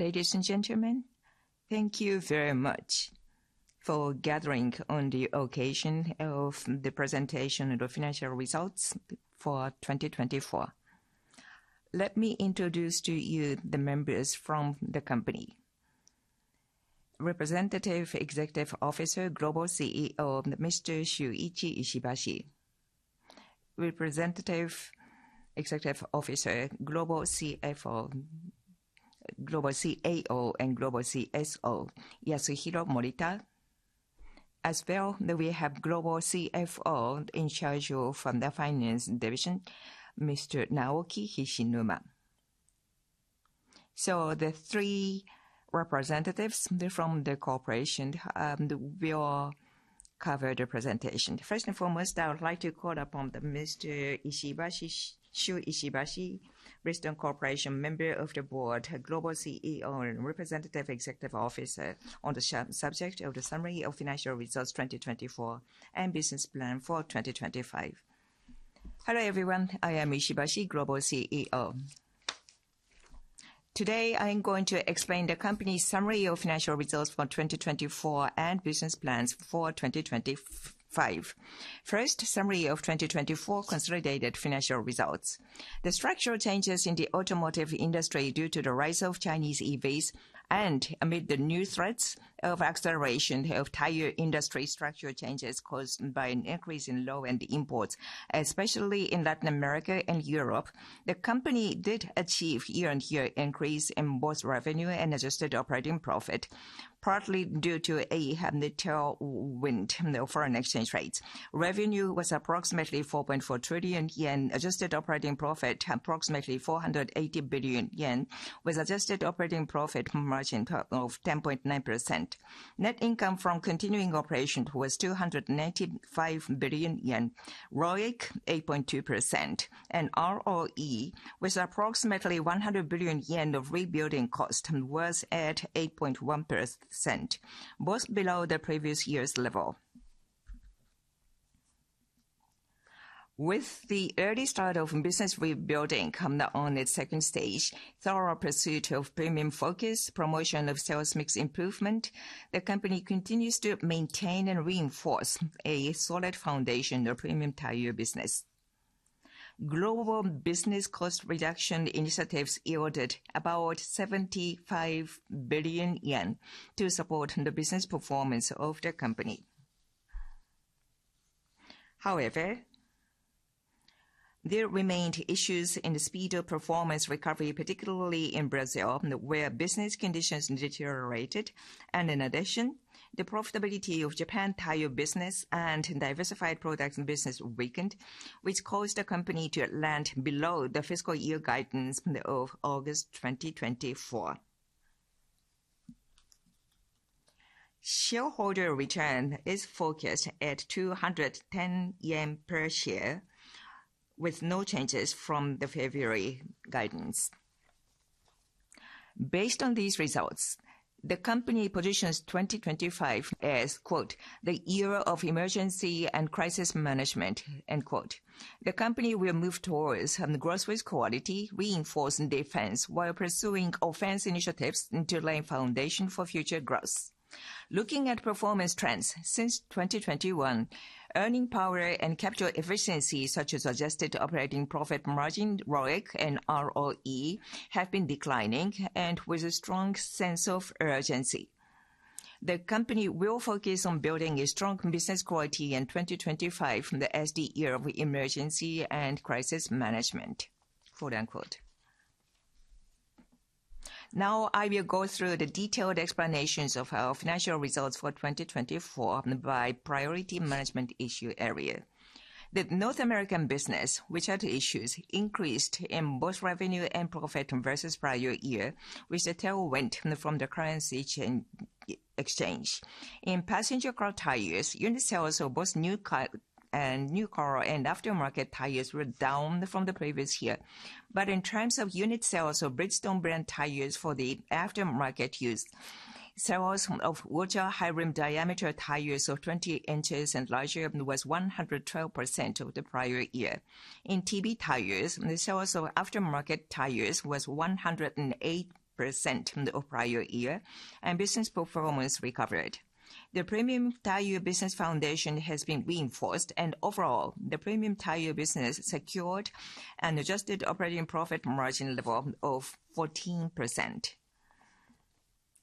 Ladies and gentlemen, thank you very much for gathering on the occasion of the presentation of the financial results for 2024. Let me introduce to you the members from the company: Representative Executive Officer, Global CEO, Mr. Shuichi Ishibashi. Representative Executive Officer, Global CFO, Global CAO, and Global CSO, Yasuhiro Morita. As well, we have Global CFO in charge of the Finance Division, Mr. Naoki Hishinuma, so the three representatives from the corporation will cover the presentation. First and foremost, I would like to call upon Mr. Shuichi Ishibashi, Bridgestone Corporation member of the board, Global CEO, and Representative Executive Officer on the subject of the Summary of Financial Results 2024 and Business Plan for 2025. Hello everyone, I am Ishibashi, Global CEO. Today I am going to explain the company's Summary of Financial Results for 2024 and Business Plans for 2025. First, Summary of 2024 Consolidated Financial Results. The structural changes in the automotive industry due to the rise of Chinese EVs and amid the new threats of acceleration of tire industry structural changes caused by an increase in low-end imports, especially in Latin America and Europe, the company did achieve year-on-year increase in both revenue and adjusted operating profit, partly due to a tailwind of foreign exchange rates. Revenue was approximately 4.4 trillion yen, adjusted operating profit approximately 480 billion yen, with adjusted operating profit margin of 10.9%. Net income from continuing operation was 295 billion yen, ROIC 8.2%, and ROE was approximately 100 billion yen of rebuilding cost, worse at 8.1%, both below the previous year's level. With the early start of business rebuilding on its second stage, thorough pursuit of premium focus, promotion of sales mix improvement, the company continues to maintain and reinforce a solid foundation of premium tire business. Global business cost reduction initiatives yielded about 75 billion yen to support the business performance of the company. However, there remained issues in the speed of performance recovery, particularly in Brazil, where business conditions deteriorated, and in addition, the profitability of Japan tire business and diversified products business weakened, which caused the company to land below the fiscal year guidance of August 2024. Shareholder return is focused at 210 yen per share, with no changes from the February guidance. Based on these results, the company positions 2025 as "The year of Emergency and Crisis Management." The company will move towards growth with quality, reinforcing defense while pursuing offense initiatives to lay a foundation for future growth. Looking at performance trends, since 2021, earning power and capital efficiency such as adjusted operating profit margin, ROIC, and ROE have been declining, and with a strong sense of urgency. The company will focus on building a strong business quality in 2025 from the SD year of emergency and crisis management. Now I will go through the detailed explanations of our financial results for 2024 by priority management issue area. The North American business, which had issues, increased in both revenue and profit versus prior year, which the tailwind came from the currency exchange. In passenger car tires, unit sales of both new car and aftermarket tires were down from the previous year, but in terms of unit sales of Bridgestone brand tires for the aftermarket use, sales of ultra-high rim diameter tires of 20 inches and larger was 112% of the prior year. In TB tires, the sales of aftermarket tires was 108% of prior year, and business performance recovered. The premium tire business foundation has been reinforced, and overall, the premium tire business secured an adjusted operating profit margin level of 14%.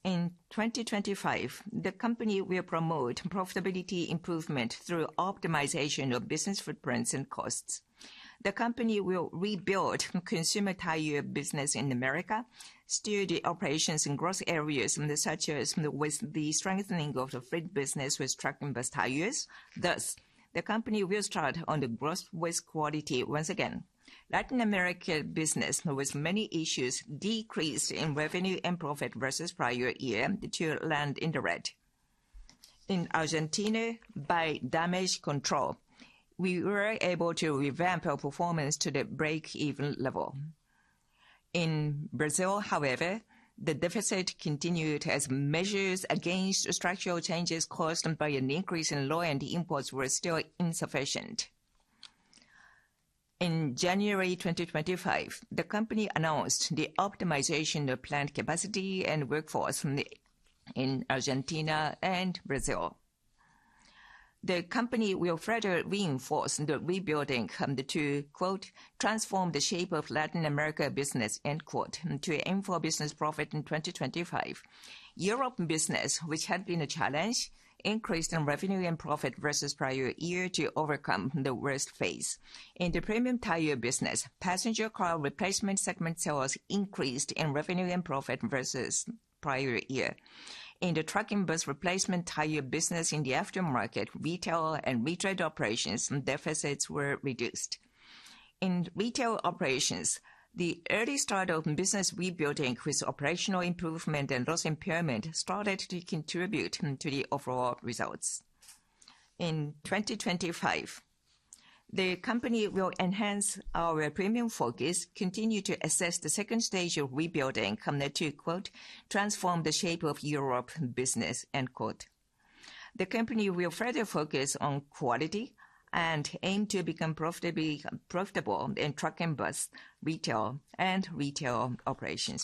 In 2025, the company will promote profitability improvement through optimization of business footprints and costs. The company will rebuild consumer tire business in America, steer the operations in growth areas such as with the strengthening of the freight business with truck and bus tires. Thus, the company will start on the growth strategy once again. Latin America business with many issues decreased in revenue and profit versus prior year to land in the red. In Argentina, by damage control, we were able to revamp our performance to the break-even level. In Brazil, however, the deficit continued as measures against structural changes caused by an increase in low-end imports were still insufficient. In January 2025, the company announced the optimization of plant capacity and workforce in Argentina and Brazil. The company will further reinforce the rebuilding to "Transform the shape of Latin America business" to aim for business profit in 2025. Europe business, which had been a challenge, increased in revenue and profit versus prior year to overcome the worst phase. In the premium tire business, passenger car replacement segment sales increased in revenue and profit versus prior year. In the truck and bus replacement tire business, in the aftermarket, retail and commercial operations, deficits were reduced. In retail operations, the early start of business rebuilding with operational improvement and loss impairment started to contribute to the overall results. In 2025, the company will enhance our premium focus, continue to assess the second stage of rebuilding to "Transform the shape of European business." The company will further focus on quality and aim to become profitable in truck and bus, retail, and retail operations.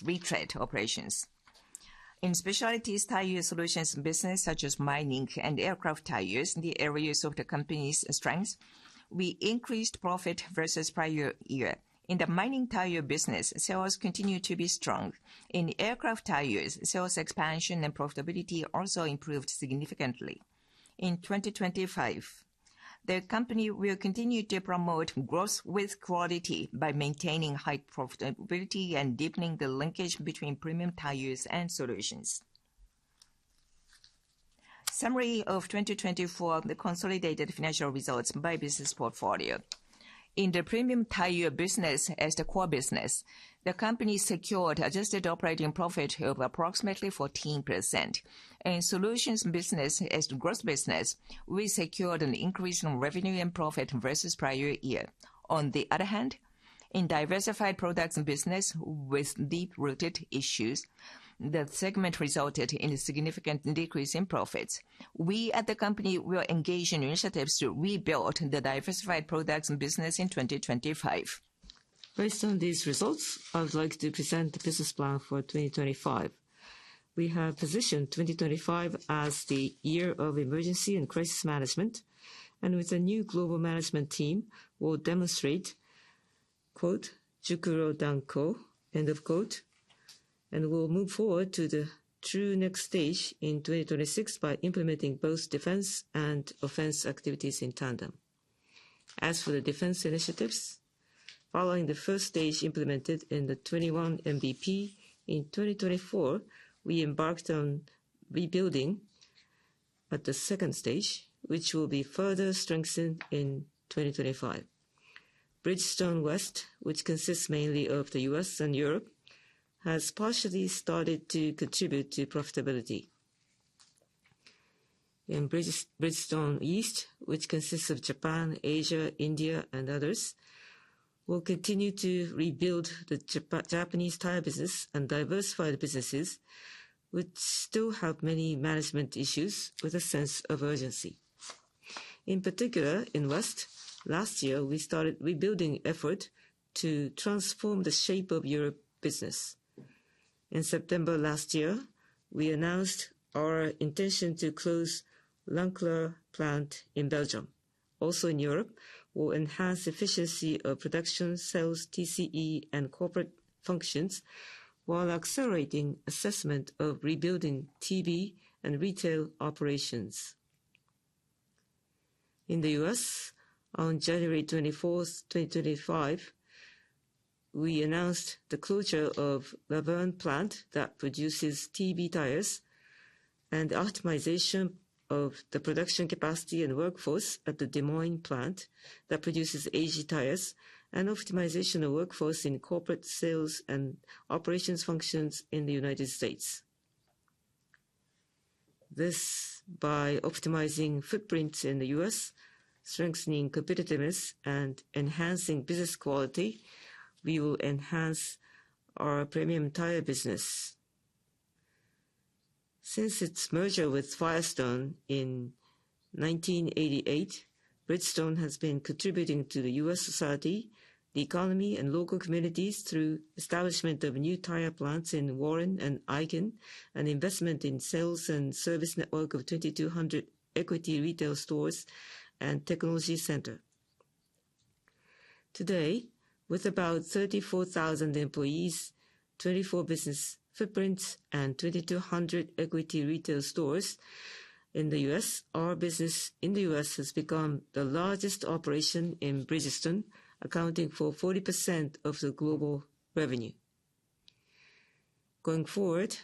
In specialty tire solutions business such as mining and aircraft tires, the areas of the company's strength, we increased profit versus prior year. In the mining tire business, sales continue to be strong. In aircraft tires, sales expansion and profitability also improved significantly. In 2025, the company will continue to promote growth with quality by maintaining high profitability and deepening the linkage between premium tires and solutions. Summary of 2024, the consolidated financial results by business portfolio. In the premium tire business as the core business, the company secured adjusted operating profit of approximately 14%. In solutions business as the core business, we secured an increase in revenue and profit versus prior year. On the other hand, in diversified products business with deep-rooted issues, the segment resulted in a significant decrease in profits. We at the company will engage in initiatives to rebuild the diversified products business in 2025. Based on these results, I would like to present the business plan for 2025. We have positioned 2025 as the year of emergency and crisis management, and with a new global management team, we'll demonstrate, Jukuryo Danko, and we'll move forward to the true next stage in 2026 by implementing both defense and offense activities in tandem. As for the defense initiatives, following the first stage implemented in the 2nd MTP in 2024, we embarked on rebuilding at the second stage, which will be further strengthened in 2025. Bridgestone West, which consists mainly of the U.S. and Europe, has partially started to contribute to profitability, and Bridgestone East, which consists of Japan, Asia, India, and others, will continue to rebuild the Japanese tire business and diversify the businesses, which still have many management issues with a sense of urgency. In particular, in West, last year, we started rebuilding effort to transform the shape of Europe business. In September last year, we announced our intention to close Lanklaar plant in Belgium. Also in Europe, we'll enhance efficiency of production cells, TCE, and corporate functions while accelerating assessment of rebuilding TB and retail operations. In the U.S., on 24 January 2025, we announced the closure of the La Vergne plant that produces TB tires and the optimization of the production capacity and workforce at the Des Moines plant that produces AG tires and optimization of workforce in corporate sales and operations functions in the United States. This, by optimizing footprints in the U.S., strengthening competitiveness, and enhancing business quality, we will enhance our premium tire business. Since its merger with Firestone in 1988, Bridgestone has been contributing to the U.S. society, the economy, and local communities through establishment of new tire plants in Warren and Aiken, an investment in sales and service network of 2,200 equity retail stores and technology center. Today, with about 34,000 employees, 24 business footprints, and 2,200 equity retail stores in the U.S., our business in the U.S. has become the largest operation in Bridgestone, accounting for 40% of the global revenue. Going forward,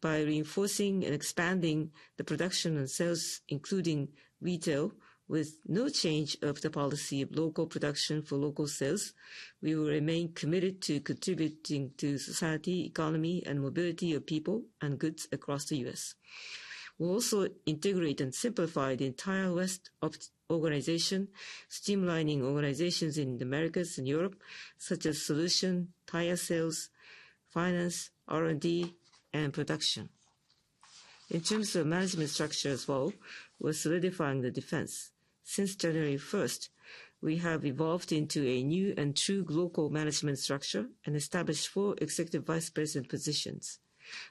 by reinforcing and expanding the production and sales, including retail, with no change of the policy of local production for local sales, we will remain committed to contributing to society, economy, and mobility of people and goods across the U.S. We'll also integrate and simplify the entire West organization, streamlining organizations in the Americas and Europe, such as solution, tire sales, finance, R&D, and production. In terms of management structure as well, we're solidifying the defense. Since 1 January, we have evolved into a new and true global management structure and established four executive vice president positions.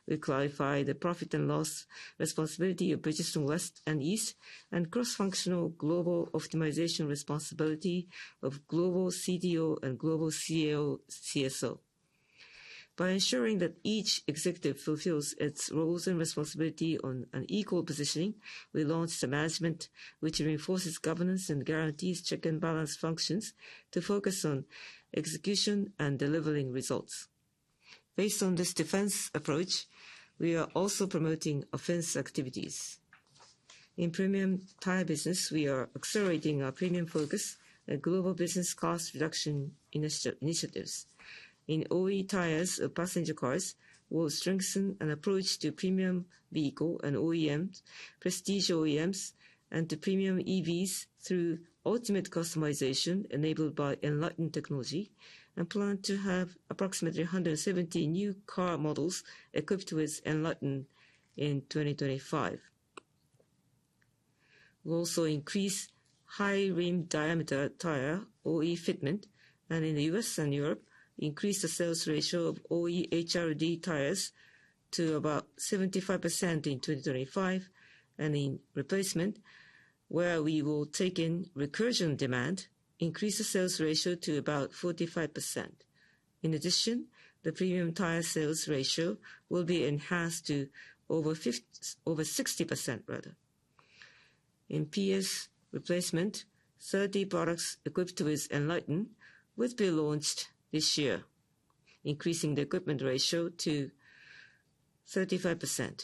We clarify the profit and loss responsibility of Bridgestone West and East and cross-functional global optimization responsibility of Global CDO and Global CSO. By ensuring that each executive fulfills its roles and responsibility on an equal positioning, we launched a management which reinforces governance and guarantees check and balance functions to focus on execution and delivering results. Based on this defense approach, we are also promoting offense activities. In premium tire business, we are accelerating our premium focus and global business cost reduction initiatives. In OE tires of passenger cars, we'll strengthen an approach to premium vehicle and OEM, prestige OEMs, and premium EVs through ultimate customization enabled by ENLITEN technology and plan to have approximately 170 new car models equipped with ENLITEN in 2025. We'll also increase high rim diameter tire OE fitment, and in the U.S. and Europe, increase the sales ratio of OE HRD tires to about 75% in 2025. In replacement, where we will take in replacement demand, increase the sales ratio to about 45%. In addition, the premium tire sales ratio will be enhanced to over 60%, rather. In PS replacement, 30 products equipped with ENLITEN would be launched this year, increasing the equipment ratio to 35%.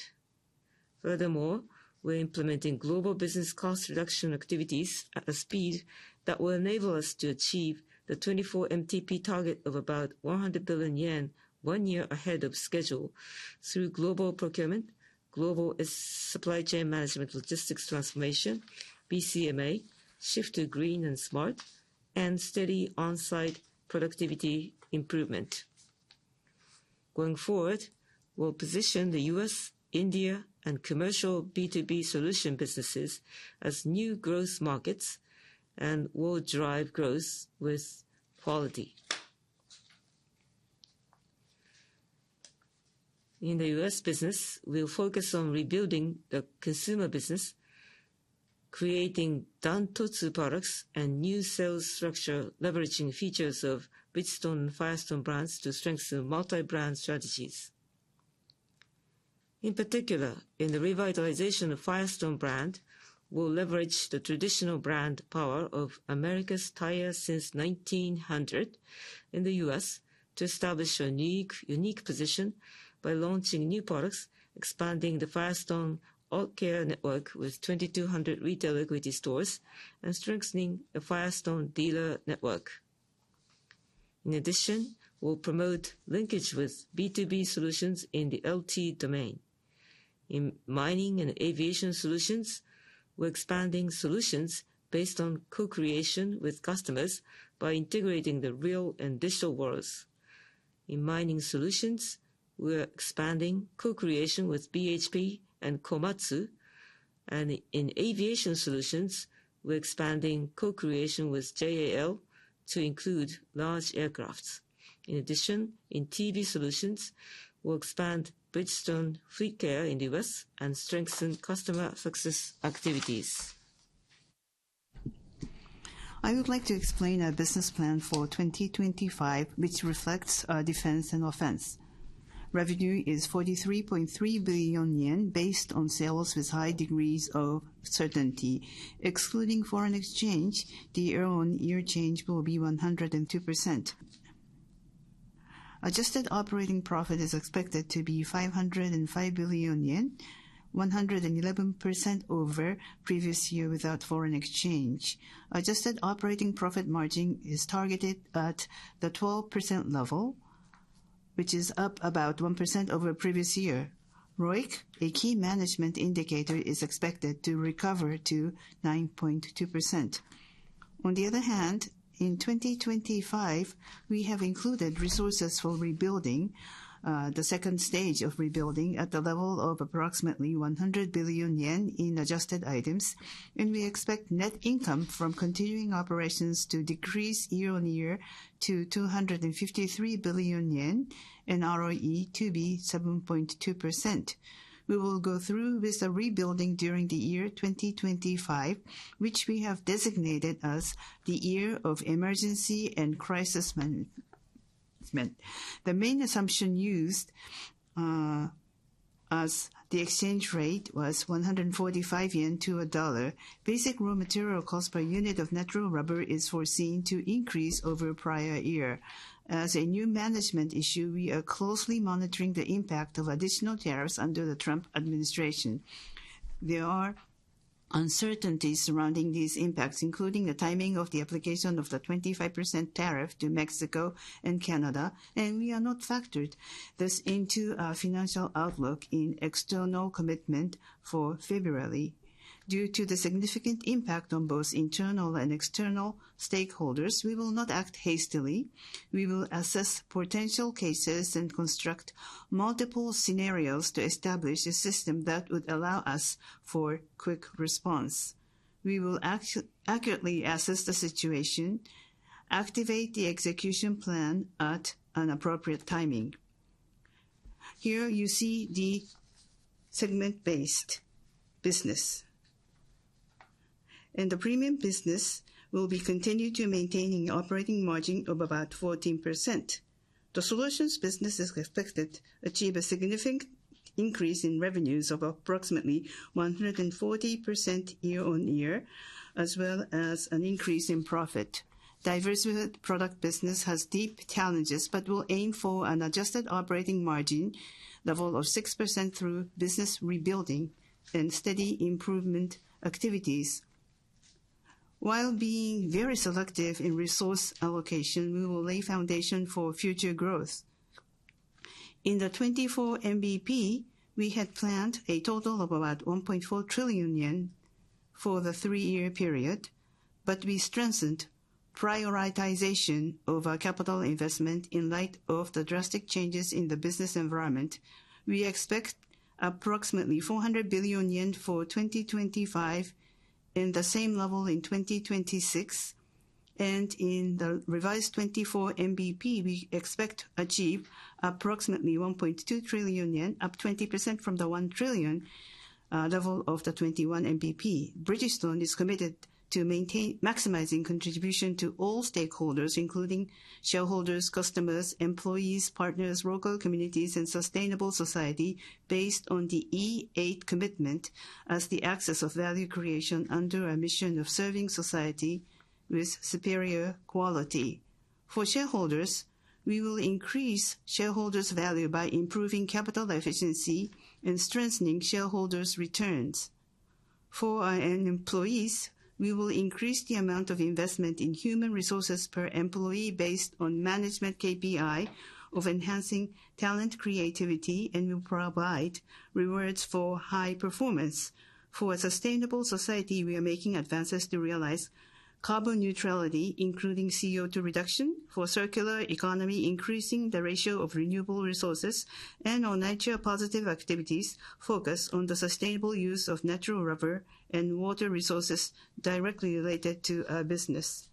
Furthermore, we're implementing global business cost reduction activities at a speed that will enable us to achieve the 24 MTP target of about 100 billion yen one year ahead of schedule through global procurement, global supply chain management logistics transformation, BCMA, shift to green and smart, and steady onsite productivity improvement. Going forward, we'll position the U.S., India, and commercial B2B solution businesses as new growth markets and will drive growth with quality. In the U.S. business, we'll focus on rebuilding the consumer business, creating Dan-Totsu products and new sales structure leveraging features of Bridgestone and Firestone brands to strengthen multi-brand strategies. In particular, in the revitalization of Firestone brand, we'll leverage the traditional brand power of America's tires since 1900 in the U.S. to establish a unique position by launching new products, expanding the Firestone Complete Auto Care network with 2,200 retail equity stores and strengthening the Firestone dealer network. In addition, we'll promote linkage with B2B solutions in the LT domain. In mining and aviation solutions, we're expanding solutions based on co-creation with customers by integrating the real and digital worlds. In mining solutions, we're expanding co-creation with BHP and Komatsu, and in aviation solutions, we're expanding co-creation with JAL to include large aircraft. In addition, in TB solutions, we'll expand Bridgestone Fleetcare in the U.S. and strengthen customer success activities. I would like to explain our business plan for 2025, which reflects our defense and offense. Revenue is 43.3 billion yen based on sales with high degrees of certainty. Excluding foreign exchange, the year-on-year change will be 102%. Adjusted operating profit is expected to be 505 billion yen, 111% over previous year without foreign exchange. Adjusted operating profit margin is targeted at the 12% level, which is up about 1% over previous year. ROIC, a key management indicator, is expected to recover to 9.2%. On the other hand, in 2025, we have included resources for rebuilding, the second stage of rebuilding at the level of approximately 100 billion yen in adjusted items, and we expect net income from continuing operations to decrease year-on-year to 253 billion yen, in ROE to be 7.2%. We will go through with the rebuilding during the year 2025, which we have designated as the year of emergency and crisis management. The main assumption used as the exchange rate was 145 yen to $1. Basic raw material cost per unit of natural rubber is foreseen to increase over a prior year. As a new management issue, we are closely monitoring the impact of additional tariffs under the Trump administration. There are uncertainties surrounding these impacts, including the timing of the application of the 25% tariff to Mexico and Canada, and we have not factored this into our financial outlook and external commitments for February. Due to the significant impact on both internal and external stakeholders, we will not act hastily. We will assess potential cases and construct multiple scenarios to establish a system that would allow for quick response. We will accurately assess the situation, activate the execution plan at an appropriate time. Here you see the segment-based business. In the premium business, we'll be continuing to maintain an operating margin of about 14%. The solutions business is expected to achieve a significant increase in revenues of approximately 140% year-on-year, as well as an increase in profit. Diversified product business has deep challenges, but we'll aim for an adjusted operating margin level of 6% through business rebuilding and steady improvement activities. While being very selective in resource allocation, we will lay foundation for future growth. In the 2024 MTP, we had planned a total of about 1.4 trillion yen for the three-year period, but we strengthened prioritization of our capital investment in light of the drastic changes in the business environment. We expect approximately 400 billion yen for 2025 at the same level in 2026, and in the revised 2024 MTP, we expect to achieve approximately 1.2 trillion yen, up 20% from the 1 trillion level of the 2021 MTP. Bridgestone is committed to maximizing contribution to all stakeholders, including shareholders, customers, employees, partners, local communities, and sustainable society based on the E8 Commitment as the axis of value creation under our mission of serving society with superior quality. For shareholders, we will increase shareholders' value by improving capital efficiency and strengthening shareholders' returns. For our employees, we will increase the amount of investment in human resources per employee based on management KPI of enhancing talent creativity, and we'll provide rewards for high performance. For a sustainable society, we are making advances to realize carbon neutrality, including CO2 reduction for a circular economy, increasing the ratio of renewable resources and our nature-positive activities focused on the sustainable use of natural rubber and water resources directly related to our business.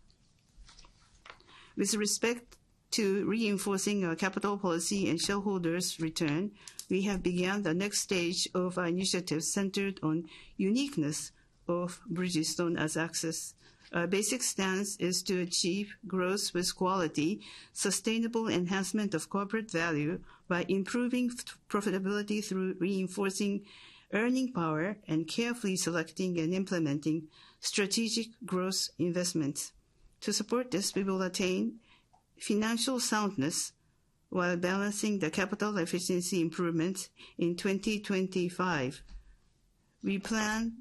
With respect to reinforcing our capital policy and shareholders' return, we have begun the next stage of our initiative centered on the uniqueness of Bridgestone as access. Our basic stance is to achieve growth with quality, sustainable enhancement of corporate value by improving profitability through reinforcing earning power and carefully selecting and implementing strategic growth investments. To support this, we will attain financial soundness while balancing the capital efficiency improvements in 2025. We plan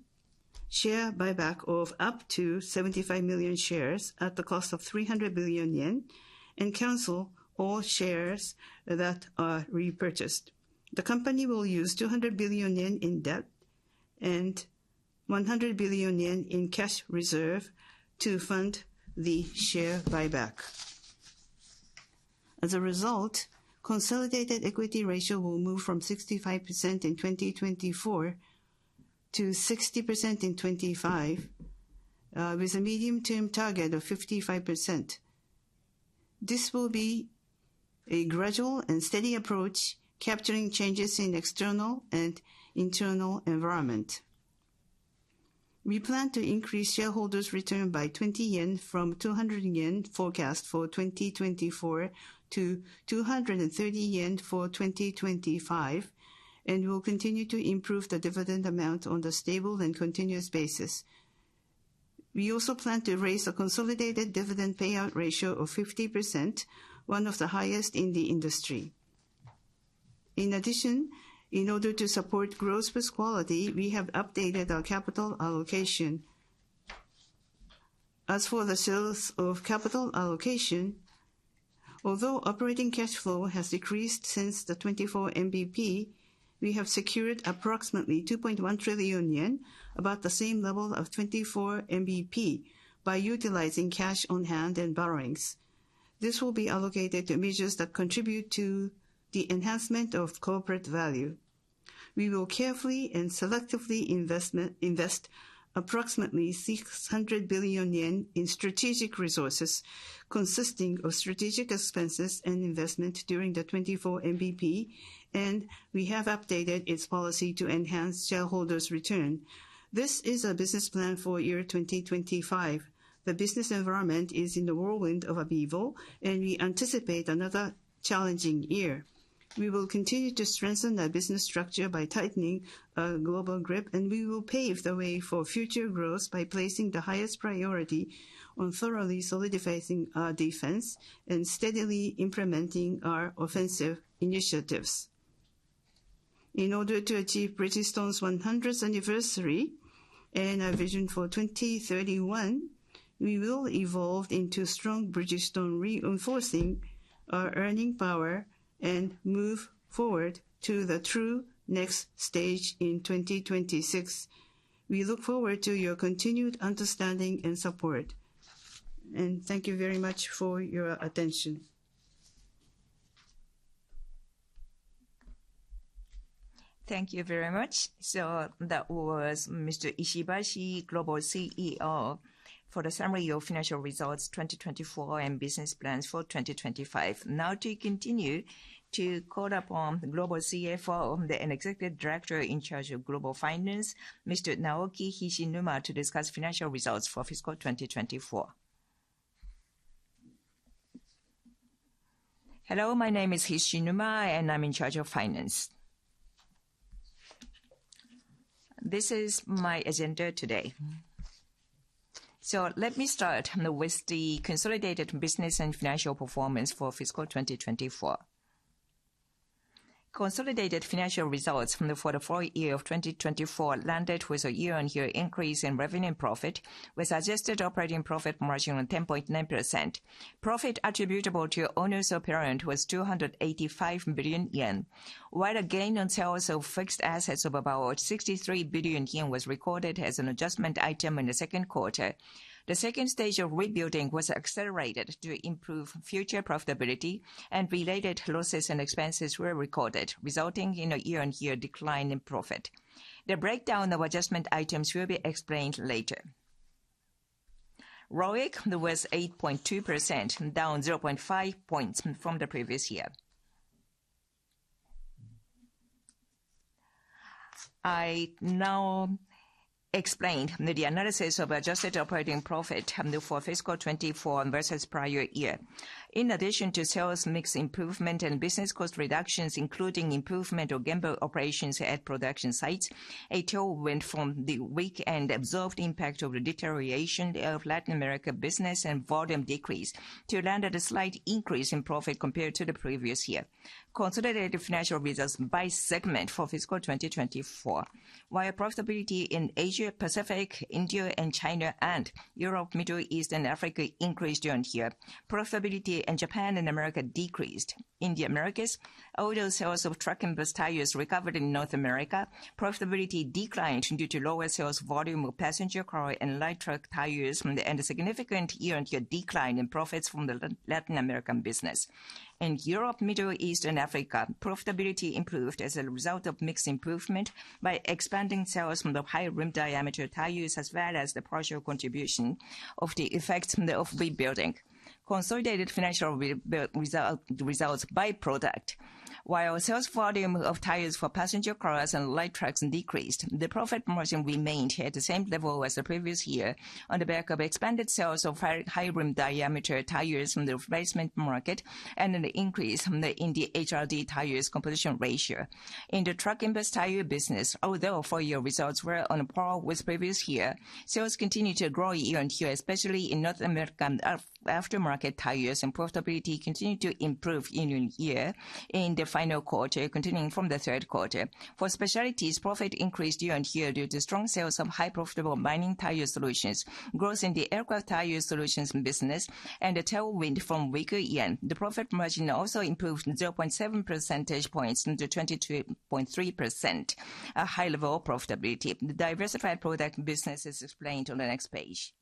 share buyback of up to 75 million shares at the cost of 300 billion yen and cancel all shares that are repurchased. The company will use 200 billion yen in debt and 100 billion yen in cash reserve to fund the share buyback. As a result, consolidated equity ratio will move from 65% in 2024 to 60% in 2025, with a medium-term target of 55%. This will be a gradual and steady approach, capturing changes in external and internal environment. We plan to increase shareholders' return by 20 yen from 200 yen forecast for 2024 to 230 yen for 2025, and we'll continue to improve the dividend amount on a stable and continuous basis. We also plan to raise a consolidated dividend payout ratio of 50%, one of the highest in the industry. In addition, in order to support growth with quality, we have updated our capital allocation. As for the scale of capital allocation, although operating cash flow has decreased since the 24 MTP, we have secured approximately 2.1 trillion yen, about the same level of 24 MTP, by utilizing cash on hand and borrowings. This will be allocated to measures that contribute to the enhancement of corporate value. We will carefully and selectively invest approximately 600 billion yen in strategic resources consisting of strategic expenses and investment during the 24 MTP, and we have updated its policy to enhance shareholders' return. This is our business plan for year 2025. The business environment is in the whirlwind of upheaval, and we anticipate another challenging year. We will continue to strengthen our business structure by tightening our global grip, and we will pave the way for future growth by placing the highest priority on thoroughly solidifying our defense and steadily implementing our offensive initiatives. In order to achieve Bridgestone's 100th anniversary and our vision for 2031, we will evolve into strong Bridgestone, reinforcing our earning power and move forward to the true next stage in 2026. We look forward to your continued understanding and support and thank you very much for your attention. Thank you very much. So that was Mr. Ishibashi, Global CEO, for the summary of financial results 2024 and business plans for 2025. Now to continue to call upon the Global CFO and the Executive Director in charge of Global Finance, Mr. Naoki Hishinuma, to discuss financial results for fiscal 2024. Hello, my name is Hishinuma, and I'm in charge of finance. This is my agenda today. So let me start with the consolidated business and financial performance for fiscal 2024. Consolidated financial results for the fourth year of 2024 landed with a year-on-year increase in revenue and profit with Adjusted Operating Profit margin of 10.9%. Profit attributable to owners or parent was 285 billion yen, while a gain on sales of fixed assets of about 63 billion yen was recorded as an adjustment item in the Q2. The second stage of rebuilding was accelerated to improve future profitability, and related losses and expenses were recorded, resulting in a year-on-year decline in profit. The breakdown of adjustment items will be explained later. ROIC was 8.2%, down 0.5 points from the previous year. I now explain the analysis of adjusted operating profit for fiscal 2024 versus prior year. In addition to sales mix improvement and business cost reductions, including improvement of Genba operations at production sites, overall, the weak yen absorbed impact of the deterioration of Latin America business and volume decrease, leading to a slight increase in profit compared to the previous year. Consolidated financial results by segment for fiscal 2024. While profitability in Asia Pacific, India, and China and Europe, Middle East, and Africa increased during the year. Profitability in Japan and America decreased. In the Americas, although sales of truck and bus tires recovered in North America, profitability declined due to lower sales volume of passenger car and light truck tires and a significant year-on-year decline in profits from the Latin American business. In Europe, Middle East, and Africa, profitability improved as a result of mixed improvement by expanding sales from the high rim diameter tires as well as the partial contribution of the effects of rebuilding. Consolidated financial results by product, while sales volume of tires for passenger cars and light trucks decreased, the profit margin remained at the same level as the previous year on the back of expanded sales of high rim diameter tires from the replacement market and an increase in the HRD tires composition ratio. In the truck and bus tire business, although four-year results were on par with previous year, sales continued to grow year-on-year, especially in North American aftermarket tires, and profitability continued to improve year-on-year in the final quarter, continuing from the Q3. For specialties, profit increased year-on-year due to strong sales of highly profitable mining tire solutions, growth in the aircraft tire solutions business, and a tailwind from weaker yen. The profit margin also improved 0.7 percentage points to 22.3%, a high level of profitability. The diversified products business is explained on the next page.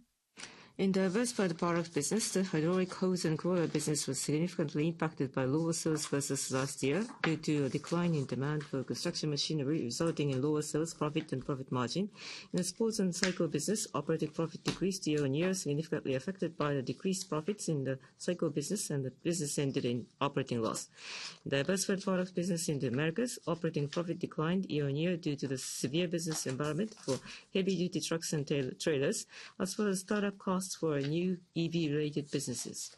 In diversified products business, the hydraulic hose and coil business was significantly impacted by lower sales versus last year due to a decline in demand for construction machinery, resulting in lower sales profit and profit margin. In the sports and cycle business, operating profit decreased year-on-year, significantly affected by the decreased profits in the cycle business and the business ended in operating loss. Diversified product business in the Americas, operating profit declined year-on-year due to the severe business environment for heavy-duty trucks and trailers, as well as startup costs for new EV-related businesses.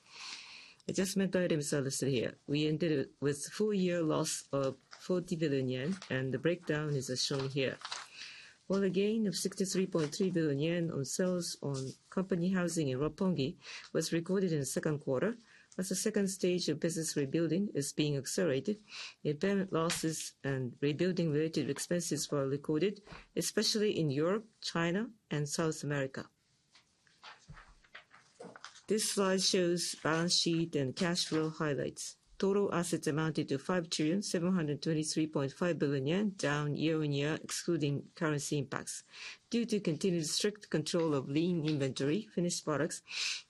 Adjustment items are listed here. We ended with four-year loss of 40 billion yen, and the breakdown is as shown here. While a gain of 63.3 billion yen on sale of company housing in Roppongi was recorded in the Q2, as the second stage of business rebuilding is being accelerated, impairment losses and rebuilding-related expenses were recorded, especially in Europe, China, and South America. This slide shows balance sheet and cash flow highlights. Total assets amounted to 5 trillion 723.5 billion, down year-on-year, excluding currency impacts. Due to continued strict control of lean inventory, finished products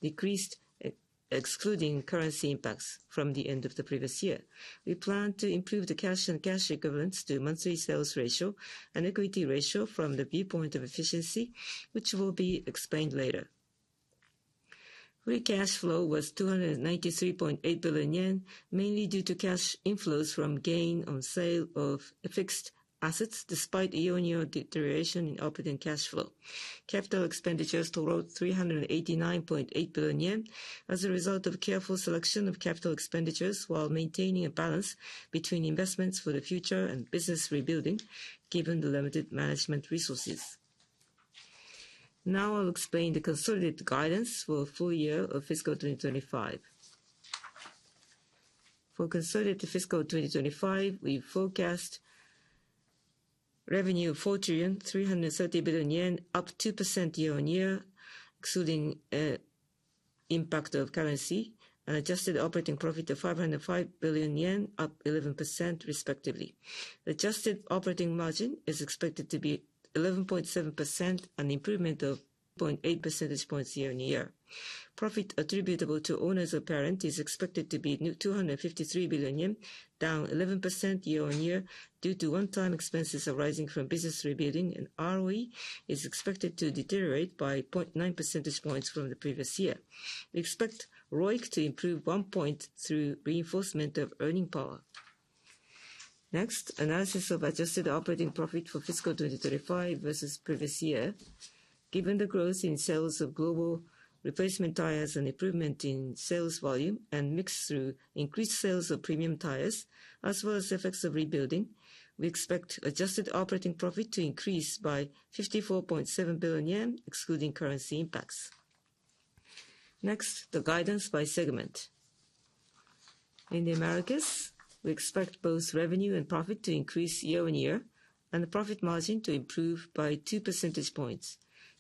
decreased, excluding currency impacts from the end of the previous year. We plan to improve the cash and cash equivalents to monthly sales ratio and equity ratio from the viewpoint of efficiency, which will be explained later. Free cash flow was 293.8 billion yen, mainly due to cash inflows from gain on sale of fixed assets, despite year-on-year deterioration in operating cash flow. Capital expenditures totaled 389.8 billion yen as a result of careful selection of capital expenditures while maintaining a balance between investments for the future and business rebuilding, given the limited management resources. Now I'll explain the consolidated guidance for fiscal year 2025. For consolidated fiscal year 2025, we forecast revenue of 4 trillion 330 billion, up 2% year-on-year, excluding impact of currency, and adjusted operating profit of 505 billion yen, up 11%, respectively. The adjusted operating margin is expected to be 11.7%, an improvement of 0.8 percentage points year-on-year. Profit attributable to owners or parent is expected to be 253 billion yen, down 11% year-on-year due to one-time expenses arising from business rebuilding, and ROE is expected to deteriorate by 0.9 percentage points from the previous year. We expect ROIC to improve one point through reinforcement of earning power. Next, analysis of adjusted operating profit for fiscal 2025 versus previous year. Given the growth in sales of global replacement tires and improvement in sales volume and mixed through increased sales of premium tires, as well as effects of rebuilding, we expect adjusted operating profit to increase by 54.7 billion yen, excluding currency impacts. Next, the guidance by segment. In the Americas, we expect both revenue and profit to increase year-on-year and the profit margin to improve by two percentage points.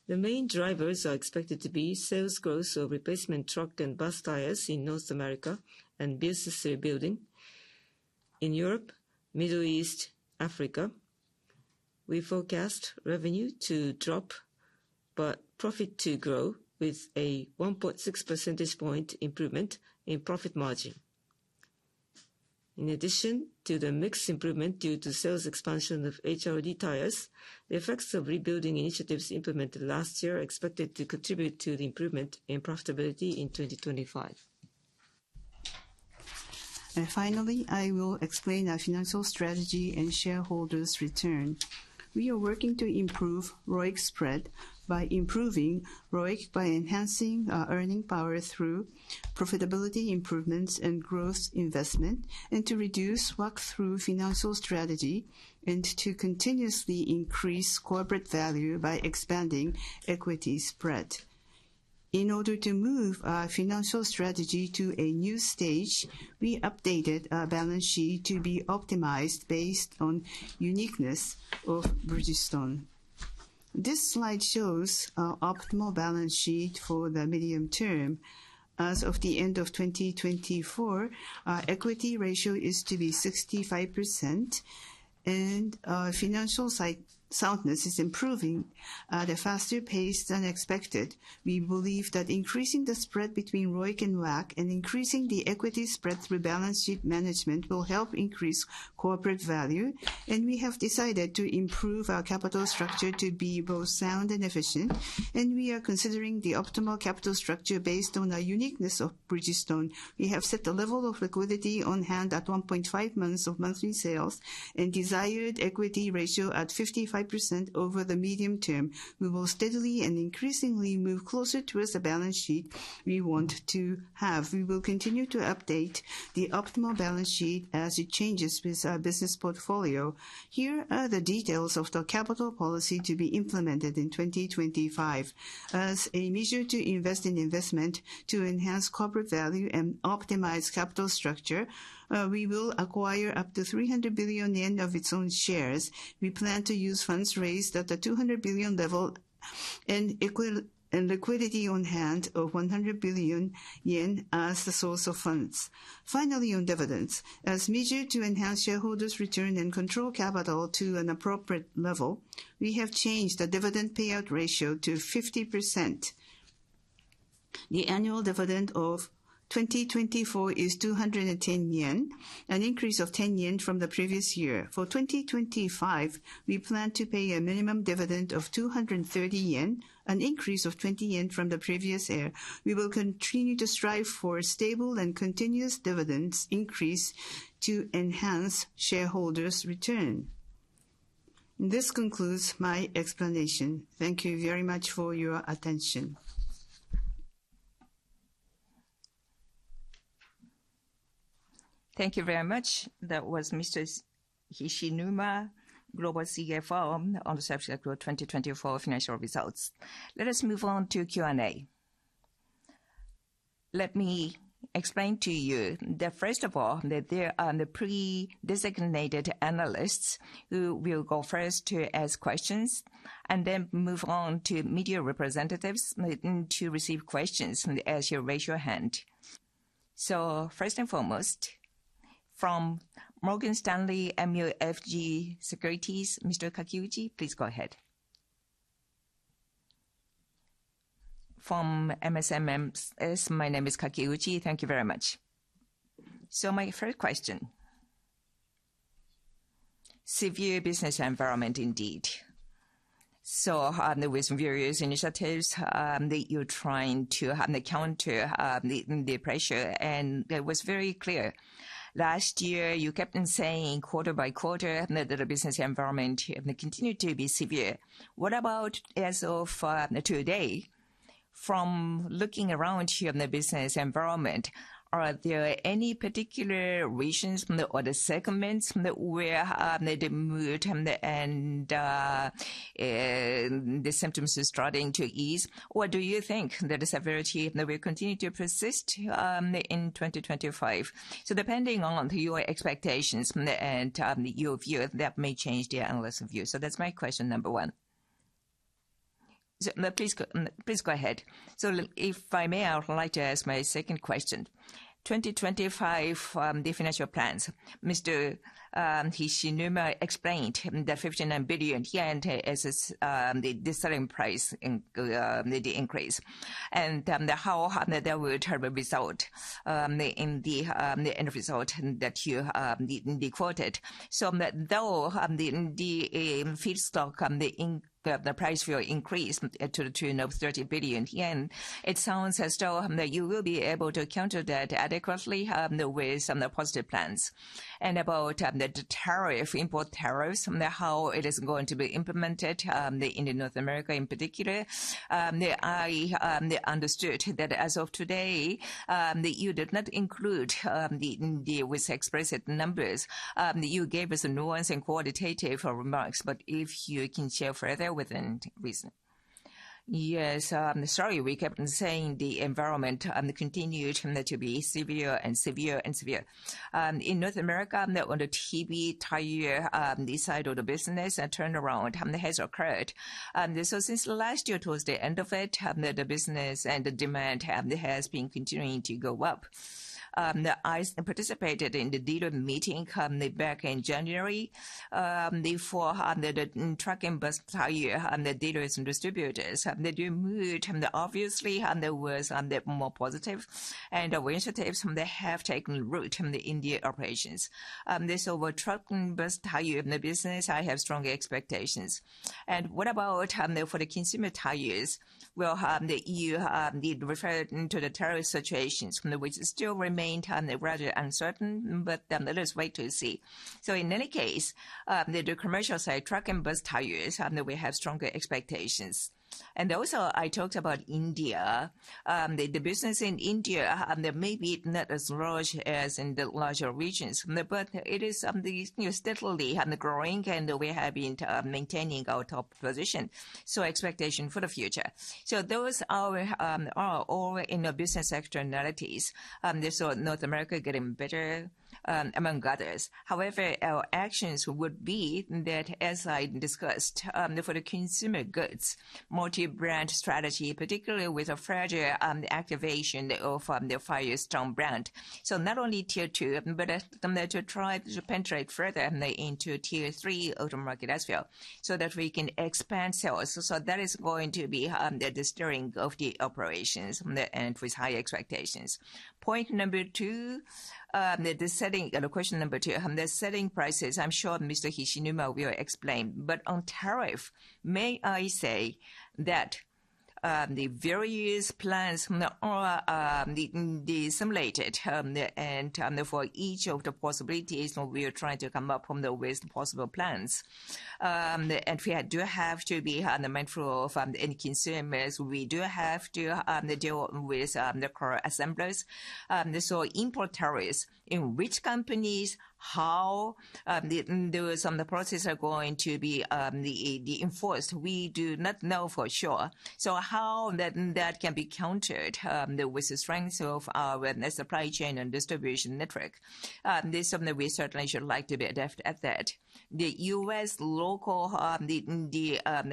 The main drivers are expected to be sales growth of replacement truck and bus tires in North America and business rebuilding. In Europe, Middle East, Africa, we forecast revenue to drop but profit to grow with a 1.6 percentage point improvement in profit margin. In addition to the mixed improvement due to sales expansion of HRD tires, the effects of rebuilding initiatives implemented last year are expected to contribute to the improvement in profitability in 2025. And finally, I will explain our financial strategy and shareholders' return. We are working to improve ROIC spread by improving ROIC by enhancing our earning power through profitability improvements and growth investment, and to reduce WACC through financial strategy and to continuously increase corporate value by expanding equity spread. In order to move our financial strategy to a new stage, we updated our balance sheet to be optimized based on uniqueness of Bridgestone. This slide shows our optimal balance sheet for the medium term. As of the end of 2024, our equity ratio is to be 65%, and our financial soundness is improving at a faster pace than expected. We believe that increasing the spread between ROIC and WACC and increasing the equity spread through balance sheet management will help increase corporate value, and we have decided to improve our capital structure to be both sound and efficient, and we are considering the optimal capital structure based on our uniqueness of Bridgestone. We have set the level of liquidity on hand at 1.5 months of monthly sales and desired equity ratio at 55% over the medium term. We will steadily and increasingly move closer toward the balance sheet we want to have. We will continue to update the optimal balance sheet as it changes with our business portfolio. Here are the details of the capital policy to be implemented in 2025. As a measure to invest in investment to enhance corporate value and optimize capital structure, we will acquire up to 300 billion yen of its own shares. We plan to use funds raised at the 200 billion level and liquidity on hand of 100 billion yen as the source of funds. Finally, on dividends, as a measure to enhance shareholders' return and control capital to an appropriate level, we have changed the dividend payout ratio to 50%. The annual dividend of 2024 is 210 yen, an increase of 10 yen from the previous year. For 2025, we plan to pay a minimum dividend of 230 yen, an increase of 20 yen from the previous year. We will continue to strive for a stable and continuous dividends increase to enhance shareholders' return. This concludes my explanation. Thank you very much for your attention. Thank you very much. That was Mr. Hishinuma, Global CFO, on the subject of 2024 financial results. Let us move on to Q&A. Let me explain to you that, first of all, that there are the pre-designated analysts who will go first to ask questions and then move on to media representatives to receive questions as you raise your hand. So first and foremost, from Morgan Stanley MUFG Securities, Mr. Kakiuchi, please go ahead. From MSMS, my name is Kakiuchi. Thank you very much. So my first question, severe business environment indeed. So there were various initiatives that you're trying to counter the pressure, and it was very clear. Last year, you kept on saying quarter by quarter that the business environment continued to be severe. What about as of today? From looking around here in the business environment, are there any particular regions or the segments where the mood and the symptoms are starting to ease? Or do you think that the severity will continue to persist in 2025? So depending on your expectations and your view, that may change the analysts' view. So that's my question number one. Please go ahead. So if I may, I would like to ask my second question. 2025 financial plans, Mr. Hishinuma explained that 59 billion yen is the selling price increase and how there will be a result in the end result that you quoted. So though the feedstock price will increase to 30 billion yen, it sounds as though you will be able to counter that adequately with some positive plans. About the tariff, import tariffs, how it is going to be implemented in North America in particular, I understood that as of today, you did not include the explicit numbers. You gave us nuanced and qualitative remarks, but if you can share further within reason. Yes, sorry, we kept on saying the environment continued to be severe and severe and severe. In North America, on the TB tire side of the business, a turnaround has occurred. Since last year, towards the end of it, the business and the demand has been continuing to go up. I participated in the dealer meeting back in January. The four truck and bus tire dealers and distributors that you moved, obviously, there was more positive and initiatives that have taken root in the operations. For truck and bus tire business, I have strong expectations. What about for the consumer tires? You referred to the tariff situation, which still remained rather uncertain, but let us wait to see. In any case, the commercial side truck and bus tires, we have strong expectations. I also talked about India. The business in India, there may be not as large as in the larger regions, but it is steadily growing and we have been maintaining our top position. Expectation for the future. Those are all in the business externalities. North America getting better among others. However, our actions would be that, as I discussed, for the consumer goods, multi-brand strategy, particularly with a fragile activation of the Firestone brand. Not only tier two, but to try to penetrate further into tier three auto market as well, so that we can expand sales. That is going to be the stirring of the operations and with high expectations. Point number two, the second question number two, the setting prices. I'm sure Mr. Hishinuma will explain, but on tariff, may I say that the various plans are simulated, and for each of the possibilities, we are trying to come up with possible plans, and we do have to be mindful of any consumers. We do have to deal with the core assemblers. Import tariffs in which companies, how those processes are going to be enforced, we do not know for sure, so how that can be countered with the strength of our supply chain and distribution network, this we certainly should like to be adept at that. The U.S. local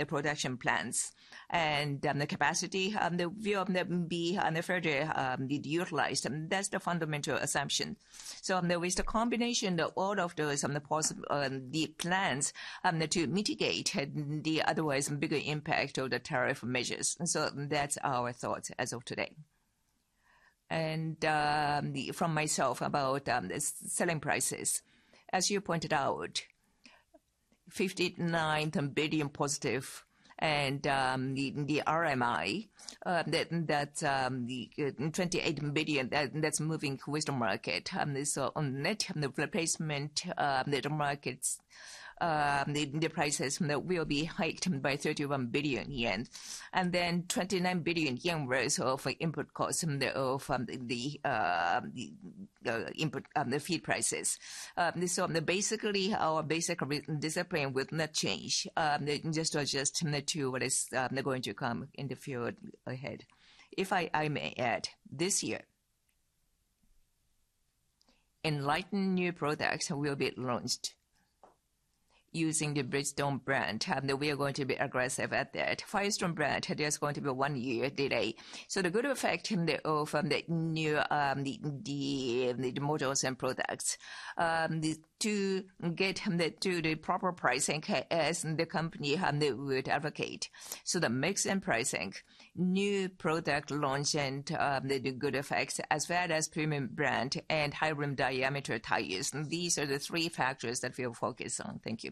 production plans and the capacity will be further utilized. That's the fundamental assumption, so there is the combination of all of those possible plans to mitigate the otherwise bigger impact of the tariff measures. That's our thoughts as of today. From myself about the selling prices, as you pointed out, 59 billion positive and the RMI, that's 28 billion that's moving to western market. On NA replacement markets, the prices will be hiked by 31 billion yen. Then 29 billion yen worth of input costs of the input feed prices. Basically, our basic discipline would not change just to what is going to come in the field ahead. If I may add, this year, ENLITEN new products will be launched using the Bridgestone brand. We are going to be aggressive at that. Firestone brand, there's going to be a one-year delay. The good effect of the new models and products to get to the proper pricing as the company would advocate. The mix and pricing, new product launch and the good effects as well as premium brand and high rim diameter tires. These are the three factors that we will focus on. Thank you.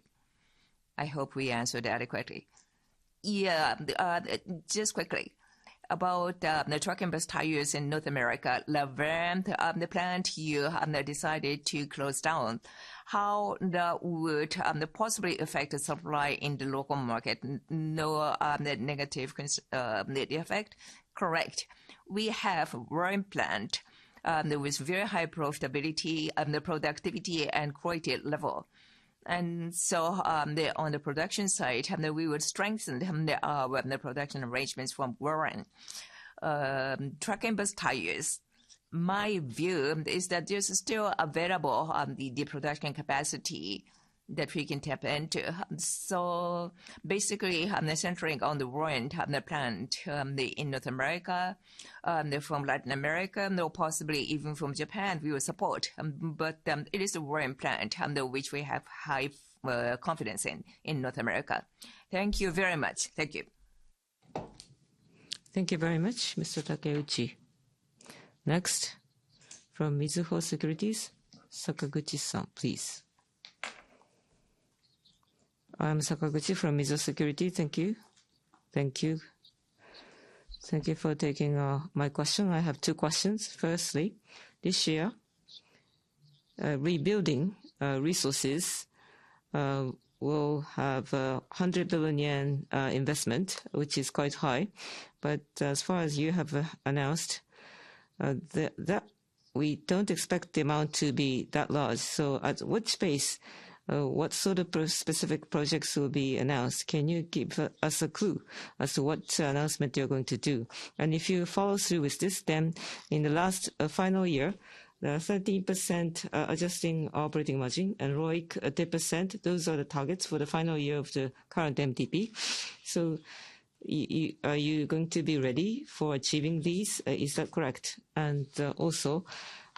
I hope we answered adequately. Yeah, just quickly about the truck and bus tires in North America, the LaVergne plant you decided to close down, how that would possibly affect the supply in the local market? No negative effect? Correct. We have a Warren plant with very high profitability and the productivity and quality level. And so on the production side, we would strengthen our production arrangements from Warren. Truck and bus tires, my view is that there's still available the production capacity that we can tap into. So basically, centering on the Warren plant in North America, from Latin America, possibly even from Japan, we will support. But it is a world-class plant which we have high confidence in in North America. Thank you very much. Thank you. Thank you very much, Mr. Kakiuchi. Next, from Mizuho Securities, Sakaguchi-san, please. I'm Sakaguchi from Mizuho Securities. Thank you. Thank you. Thank you for taking my question. I have two questions. Firstly, this year, business rebuilding will have a 100 billion yen investment, which is quite high. But as far as you have announced, we don't expect the amount to be that large. So at what stage, what sort of specific projects will be announced? Can you give us a clue as to what announcement you're going to do? And if you follow through with this, then in the final year, there are 13% adjusted operating margin and ROIC 2%. Those are the targets for the final year of the current MTP. Are you going to be ready for achieving these? Is that correct? Also,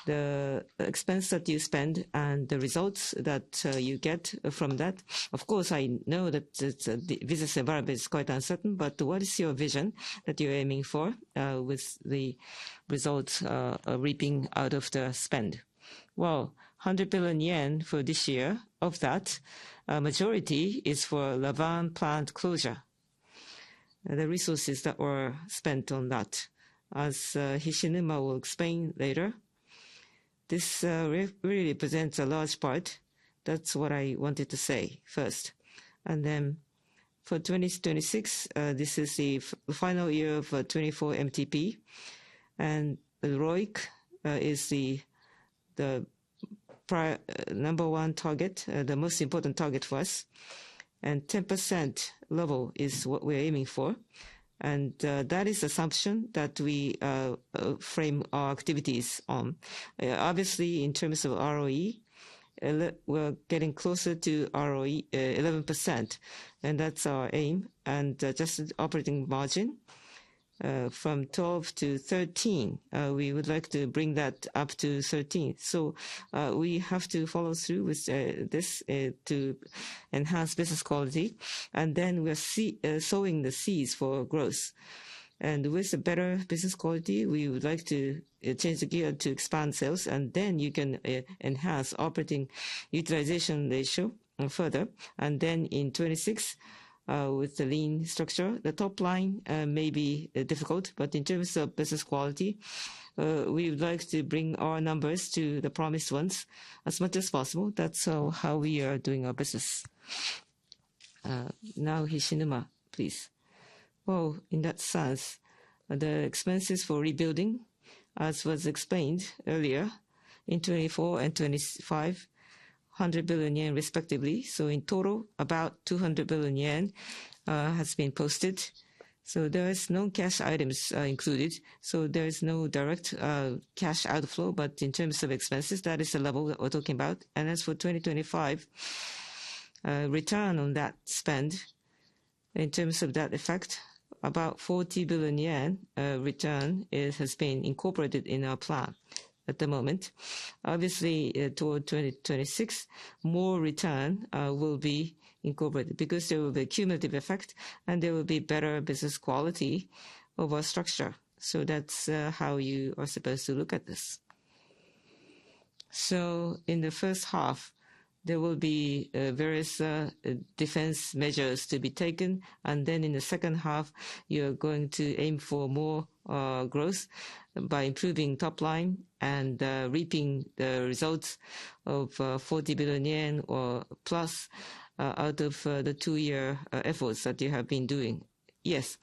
the expense that you spend and the results that you get from that. Of course, I know that the business environment is quite uncertain, but what is your vision that you're aiming for with the results reaping out of the spend? Well, 100 billion yen for this year, of that, majority is for LaVergne plant closure. The resources that were spent on that, as Hishinuma will explain later, this really represents a large part. That's what I wanted to say first. Then for 2026, this is the final year for 24 MTP. ROIC is the number one target, the most important target for us. 10% level is what we're aiming for. That is the assumption that we frame our activities on. Obviously, in terms of ROE, we're getting closer to ROE 11%, and that's our aim, and just operating margin from 12% to 13%, we would like to bring that up to 13%, so we have to follow through with this to enhance business quality, and then we are sowing the seeds for growth, and with a better business quality, we would like to change the gear to expand sales, and then you can enhance operating utilization ratio further, and then in 2026, with the lean structure, the top line may be difficult, but in terms of business quality, we would like to bring our numbers to the promised ones as much as possible. That's how we are doing our business. Now, Hishinuma, please. Well, in that sense, the expenses for rebuilding, as was explained earlier, in 2024 and 2025, 100 billion yen respectively. So in total, about 200 billion yen has been posted. So there is no cash items included. So there is no direct cash outflow. But in terms of expenses, that is the level that we're talking about. And as for 2025, return on that spend, in terms of that effect, about 40 billion yen return has been incorporated in our plan at the moment. Obviously, toward 2026, more return will be incorporated because there will be a cumulative effect and there will be better business quality of our structure. So that's how you are supposed to look at this. So in the first half, there will be various defense measures to be taken. And then in the second half, you are going to aim for more growth by improving top line and reaping the results of 40 billion yen or plus out of the two-year efforts that you have been doing. Yes,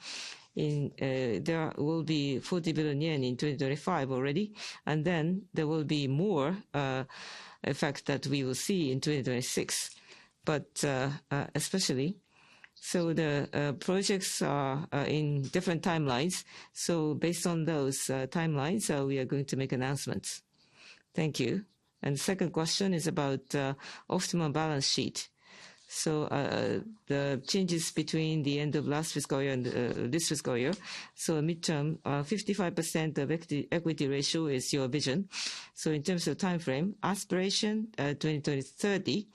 there will be 40 billion yen in 2025 already. And then there will be more effect that we will see in 2026, but especially. So the projects are in different timelines. So based on those timelines, we are going to make announcements. Thank you. And the second question is about optimal balance sheet. So the changes between the end of last fiscal year and this fiscal year. So midterm, 55% equity ratio is your vision. So in terms of timeframe, aspiration 2020-2030.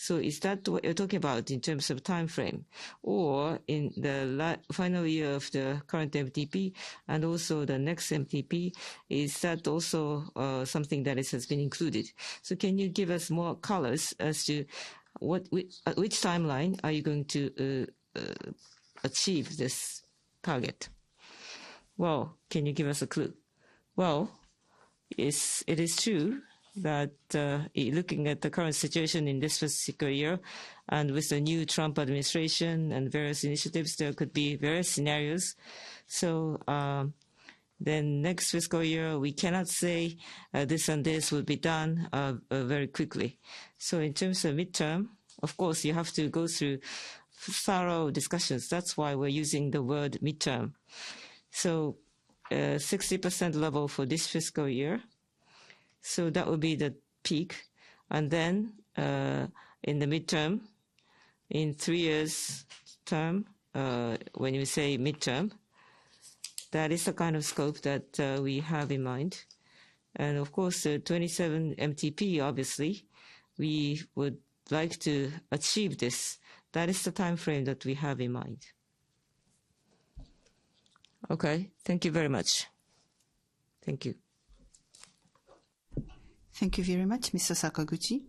So is that what you're talking about in terms of timeframe? Or in the final year of the current MTP and also the next MTP, is that also something that has been included? So can you give us more colors as to which timeline are you going to achieve this target? Well, can you give us a clue? Well, it is true that looking at the current situation in this fiscal year and with the new Trump administration and various initiatives, there could be various scenarios. So then next fiscal year, we cannot say this and this will be done very quickly. So in terms of midterm, of course, you have to go through thorough discussions. That's why we're using the word midterm. So 60% level for this fiscal year. So that would be the peak. And then in the midterm, in three years' term, when you say midterm, that is the kind of scope that we have in mind. Of course, 27 MTP, obviously, we would like to achieve this. That is the timeframe that we have in mind. Okay. Thank you very much. Thank you. Thank you very much, Mr. Sakaguchi.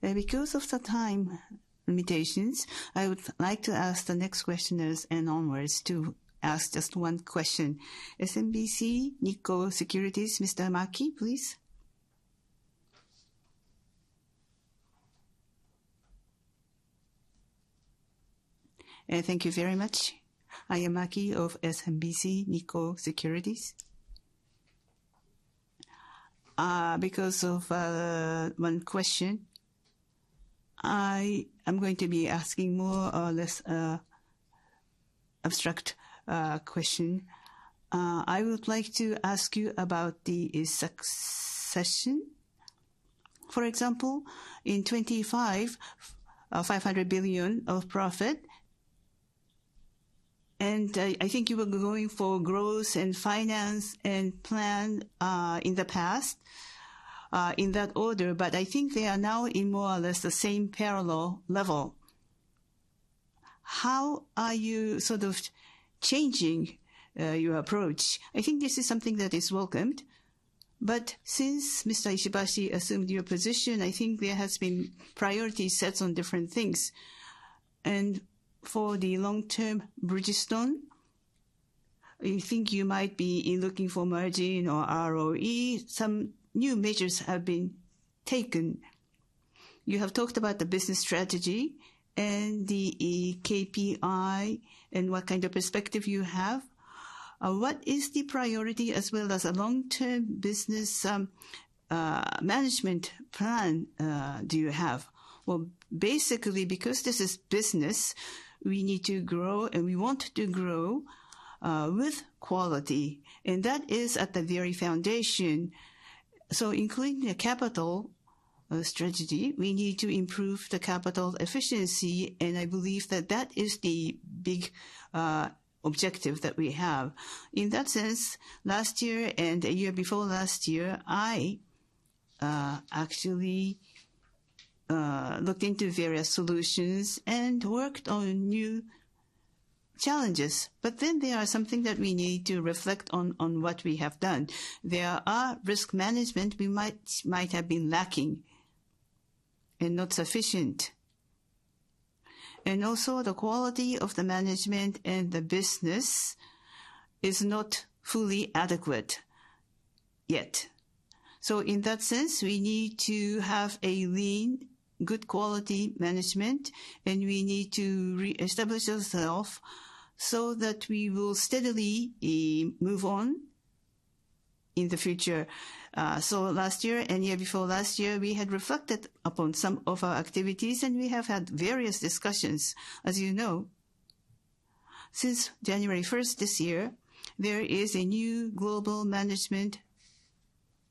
Because of the time limitations, I would like to ask the next questioners and onwards to ask just one question. SMBC Nikko Securities, Mr. Maki, please. Thank you very much. I am Maki of SMBC Nikko Securities. Because of one question, I am going to be asking more or less abstract questions. I would like to ask you about the succession. For example, in 2025, JPY 500 billion of profit. And I think you were going for growth and finance and plan in the past in that order, but I think they are now in more or less the same parallel level. How are you sort of changing your approach? I think this is something that is welcomed, but since Mr. Ishibashi assumed your position, I think there has been priorities set on different things, and for the long-term Bridgestone, you think you might be looking for margin or ROE? Some new measures have been taken. You have talked about the business strategy and the KPI and what kind of perspective you have. What is the priority as well as a long-term business management plan do you have? Well, basically, because this is business, we need to grow and we want to grow with quality, and that is at the very foundation, so including the capital strategy, we need to improve the capital efficiency, and I believe that that is the big objective that we have. In that sense, last year and a year before last year, I actually looked into various solutions and worked on new challenges. But then there are something that we need to reflect on what we have done. There are risk management we might have been lacking and not sufficient. And also the quality of the management and the business is not fully adequate yet. So in that sense, we need to have a lean, good quality management, and we need to reestablish ourselves so that we will steadily move on in the future. So last year and year before last year, we had reflected upon some of our activities, and we have had various discussions. As you know, since 1 January this year, there is a new global management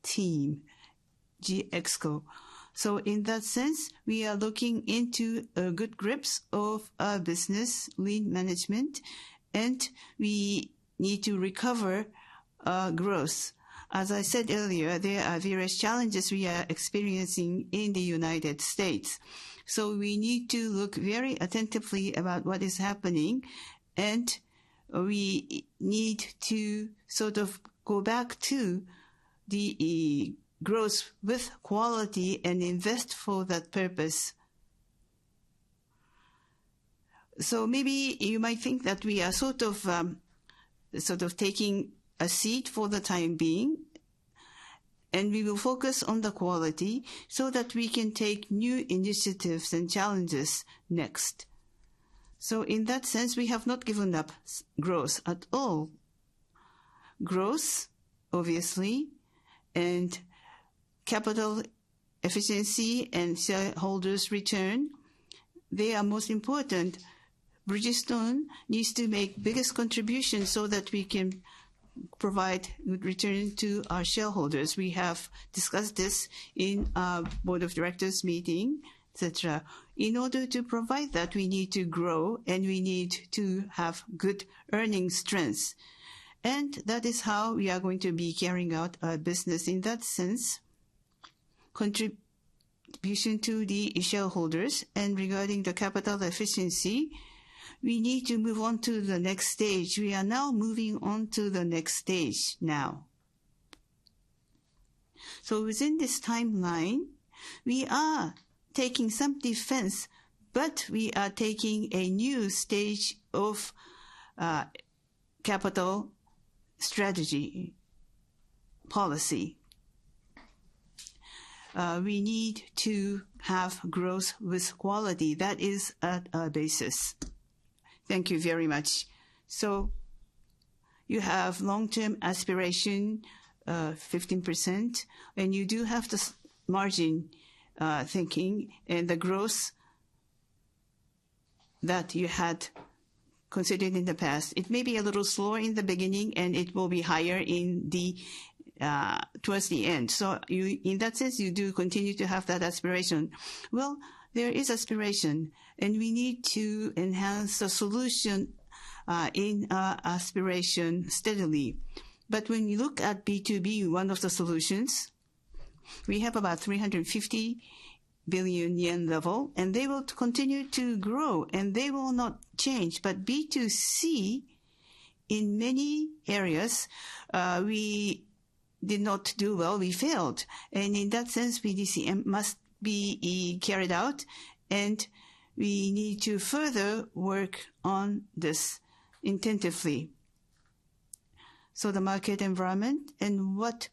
team, GXO. So in that sense, we are looking into a good grips of our business, lean management, and we need to recover growth. As I said earlier, there are various challenges we are experiencing in the United States. So we need to look very attentively about what is happening, and we need to sort of go back to the growth with quality and invest for that purpose. So maybe you might think that we are sort of taking a seat for the time being, and we will focus on the quality so that we can take new initiatives and challenges next. So in that sense, we have not given up growth at all. Growth, obviously, and capital efficiency and shareholders' return, they are most important. Bridgestone needs to make biggest contribution so that we can provide return to our shareholders. We have discussed this in our board of directors meeting, etc. In order to provide that, we need to grow and we need to have good earning strengths. And that is how we are going to be carrying out our business in that sense, contribution to the shareholders. Regarding the capital efficiency, we need to move on to the next stage. We are now moving on to the next stage now. Within this timeline, we are taking some defense, but we are taking a new stage of capital strategy policy. We need to have growth with quality. That is at our basis. Thank you very much. You have long-term aspiration, 15%, and you do have the margin thinking and the growth that you had considered in the past? It may be a little slow in the beginning, and it will be higher towards the end. In that sense, you do continue to have that aspiration. There is aspiration, and we need to enhance the solution in our aspiration steadily. But when you look at B2B, one of the solutions, we have about 350 billion yen level, and they will continue to grow, and they will not change. But B2C, in many areas, we did not do well. We failed. And in that sense, B2C must be carried out, and we need to further work on this intensively. So the market environment and what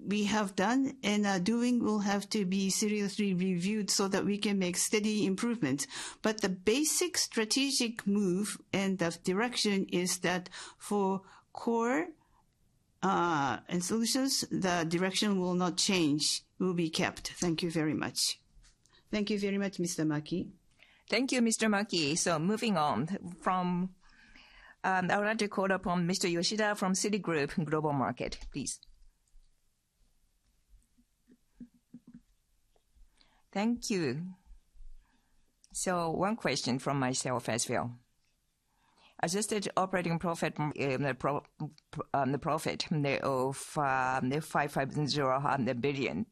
we have done and are doing will have to be seriously reviewed so that we can make steady improvements. But the basic strategic move and the direction is that for core and solutions, the direction will not change, will be kept. Thank you very much. Thank you very much, Mr. Maki. Thank you, Mr. Maki. So moving on from I would like to call upon Mr. Yoshida from Citigroup Global Markets, please. Thank you. So one question from myself as well. Adjusted operating profit. The profit of 5,500 billion.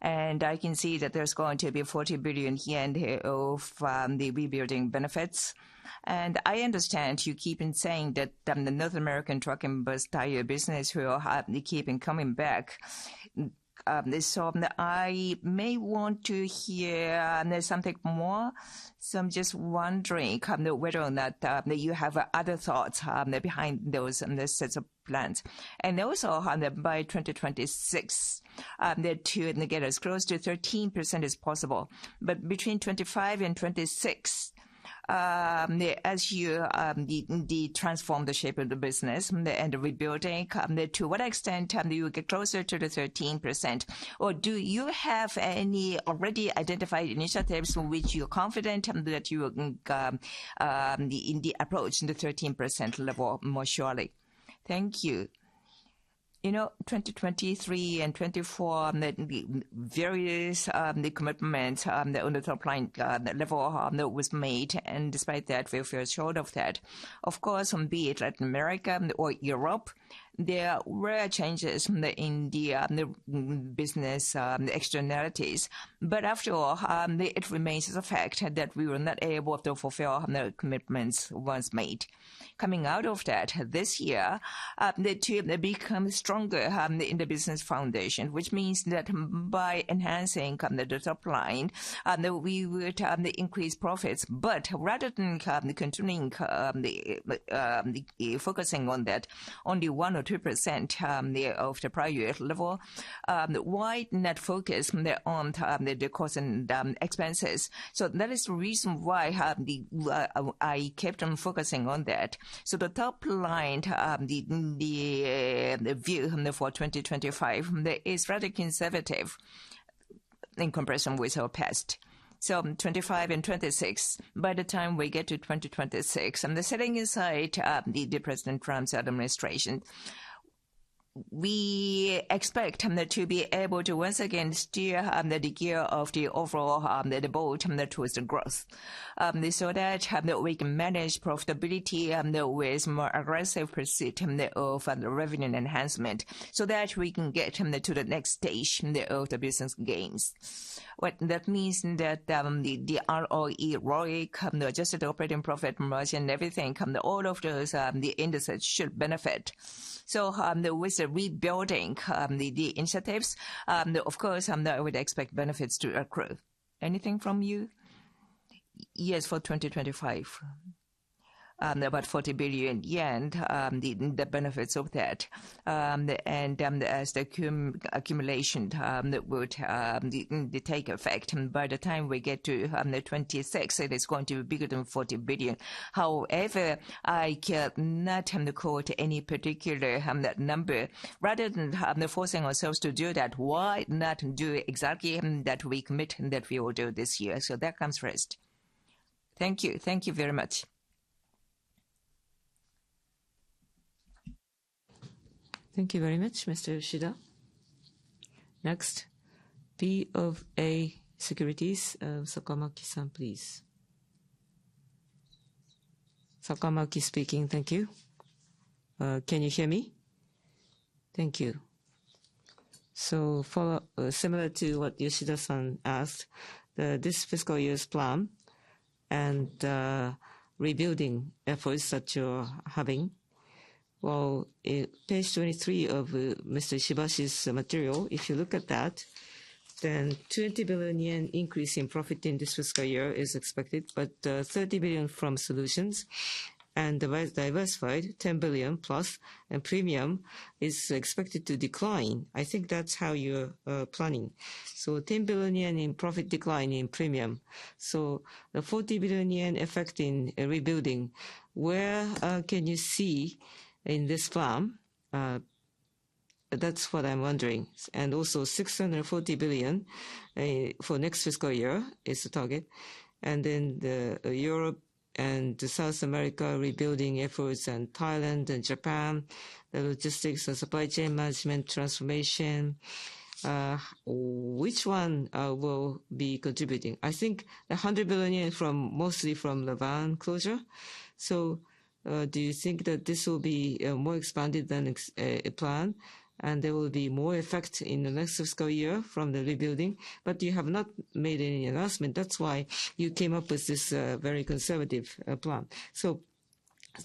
I can see that there's going to be 40 billion yen here and there of the rebuilding benefits. I understand you keep on saying that the North American truck and bus tire business will keep on coming back. I may want to hear something more. I'm just wondering whether or not you have other thoughts behind those sets of plans. Also by 2026, the two indicators close to 13% is possible. Between 2025 and 2026, as you transform the shape of the business and the rebuilding, to what extent do you get closer to the 13%? Or do you have any already identified initiatives in which you're confident that you will be in the approach in the 13% level more surely? Thank you. You know, 2023 and 2024, various commitments on the top line level that was made. And despite that, we're short of that. Of course, be it Latin America or Europe, there were changes in the business externalities. But after all, it remains a fact that we were not able to fulfill the commitments once made. Coming out of that this year, the two have become stronger in the business foundation, which means that by enhancing the top line, we would increase profits. But rather than continuing focusing on that only one or 2% of the prior level, why not focus on the cost and expenses? So that is the reason why I kept on focusing on that. So the top line, the view for 2025, is rather conservative in comparison with our past. So, 2025 and 2026, by the time we get to 2026, and the setting inside President Trump's administration, we expect to be able to once again steer the gear of the overall board towards the growth. So that we can manage profitability with more aggressive pursuit of revenue enhancement. So that we can get to the next stage of the business gains. What that means is that the ROE, ROI, adjusted operating profit, margin, everything, all of those indices should benefit. So with the rebuilding initiatives, of course, I would expect benefits to accrue. Anything from you? Yes, for 2025, about 40 billion yen, the benefits of that. And as the accumulation would take effect, by the time we get to 2026, it is going to be bigger than 40 billion. However, I cannot quote any particular number. Rather than forcing ourselves to do that, why not do exactly that we commit that we will do this year? So that comes first. Thank you. Thank you very much. Thank you very much, Mr. Yoshida. Next, BofA Securities, Sakamaki-san, please. Sakamaki speaking. Thank you. Can you hear me? Thank you. So similar to what Yoshida-san asked, this fiscal year's plan and rebuilding efforts that you're having, well, page 23 of Mr. Ishibashi's material, if you look at that, then 20 billion yen increase in profit in this fiscal year is expected, but 30 billion from solutions and diversified, 10 billion plus, and premium is expected to decline. I think that's how you're planning. So 10 billion yen in profit decline in premium. So the 40 billion yen effect in rebuilding, where can you see in this plan? That's what I'm wondering. Also, 640 billion for next fiscal year is the target. Then the Europe and South America rebuilding efforts and Thailand and Japan, the logistics and supply chain management transformation, which one will be contributing? I think the 100 billion yen mostly from LaVergne closure. Do you think that this will be more expanded than a plan? There will be more effect in the next fiscal year from the rebuilding. You have not made any announcement. That's why you came up with this very conservative plan.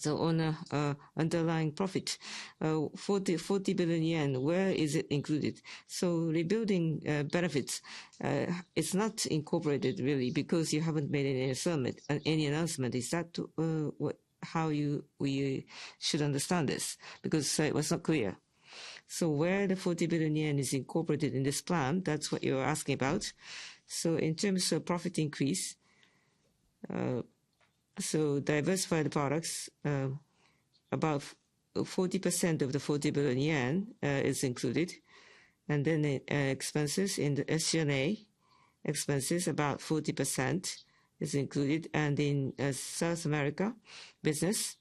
On the underlying profit, 40 billion yen, where is it included? Rebuilding benefits, it's not incorporated really because you haven't made any announcement. Is that how you should understand this? Because it was not clear. Where the 40 billion yen is incorporated in this plan, that's what you're asking about. In terms of profit increase, diversified products account for about 40% of the 40 billion yen. Expenses in the SG&A expenses account for about 40%. In the South America business,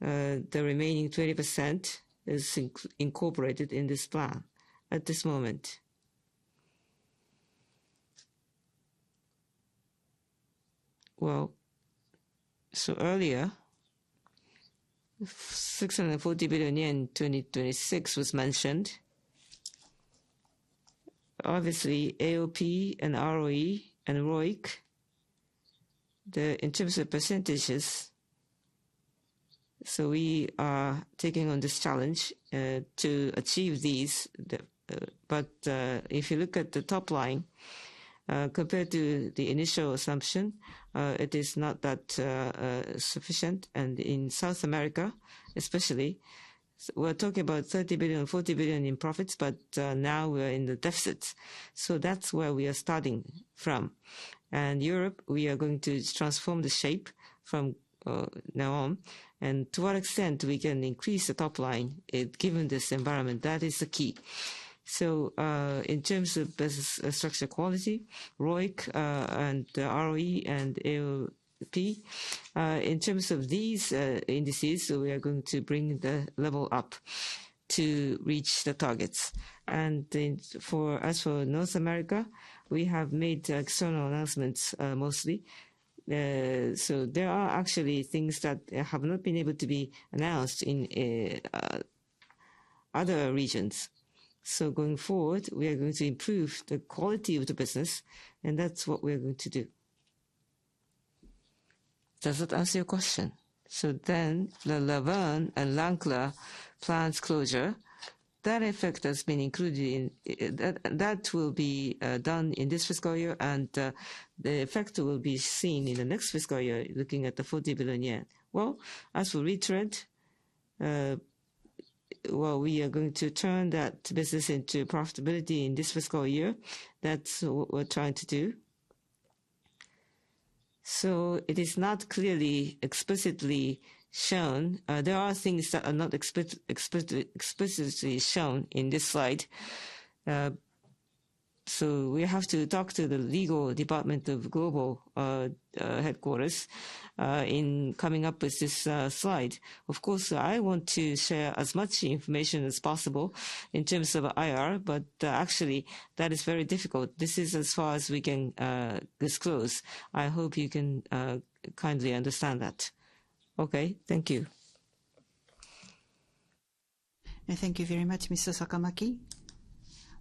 the remaining 20% is incorporated in this plan at this moment. Earlier, 640 billion yen in 2026 was mentioned. Obviously, AOP and ROE and ROIC, in terms of percentages, represent a challenge we are taking on to achieve these. If you look at the top line, compared to the initial assumption, it is not that sufficient. In South America, especially, we are talking about 30 billion to 40 billion in profits, but now we are in the deficit. That is where we are starting from. In Europe, we are going to transform the shape from now on. To what extent we can increase the top line given this environment, that is the key. In terms of business structure quality, ROIC and ROE and AOP, in terms of these indices, we are going to bring the level up to reach the targets. As for North America, we have made external announcements mostly. There are actually things that have not been able to be announced in other regions. Going forward, we are going to improve the quality of the business, and that's what we are going to do. Does that answer your question? The LaVergne and Lanklaar plants closure, that effect has been included. That will be done in this fiscal year, and the effect will be seen in the next fiscal year, looking at the JPY 40 billion. As for return, we are going to turn that business into profitability in this fiscal year. That's what we're trying to do. So it is not clearly explicitly shown. There are things that are not explicitly shown in this slide. So we have to talk to the legal department of global headquarters in coming up with this slide. Of course, I want to share as much information as possible in terms of IR, but actually, that is very difficult. This is as far as we can disclose. I hope you can kindly understand that. Okay, thank you. And thank you very much, Mr. Sakamaki.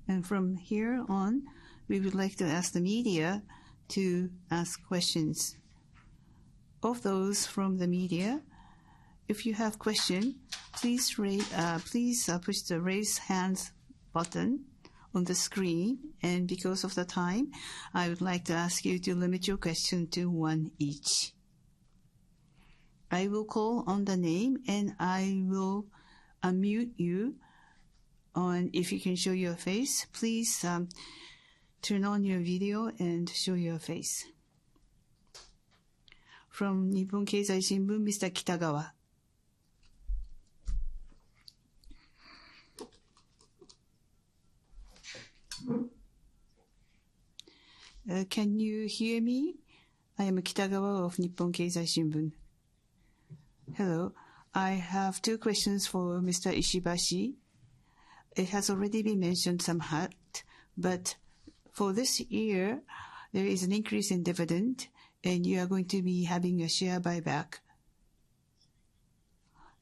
And from here on, we would like to ask the media to ask questions. Of those from the media, if you have questions, please push the raise hands button on the screen. And because of the time, I would like to ask you to limit your question to one each. I will call on the name, and I will unmute you. If you can show your face, please turn on your video and show your face. From Nihon Keizai Shimbun, Mr. Kitagawa. Can you hear me? I am Kitagawa of Nihon Keizai Shimbun. Hello. I have two questions for Mr. Ishibashi. It has already been mentioned somewhat, but for this year, there is an increase in dividend, and you are going to be having a share buyback.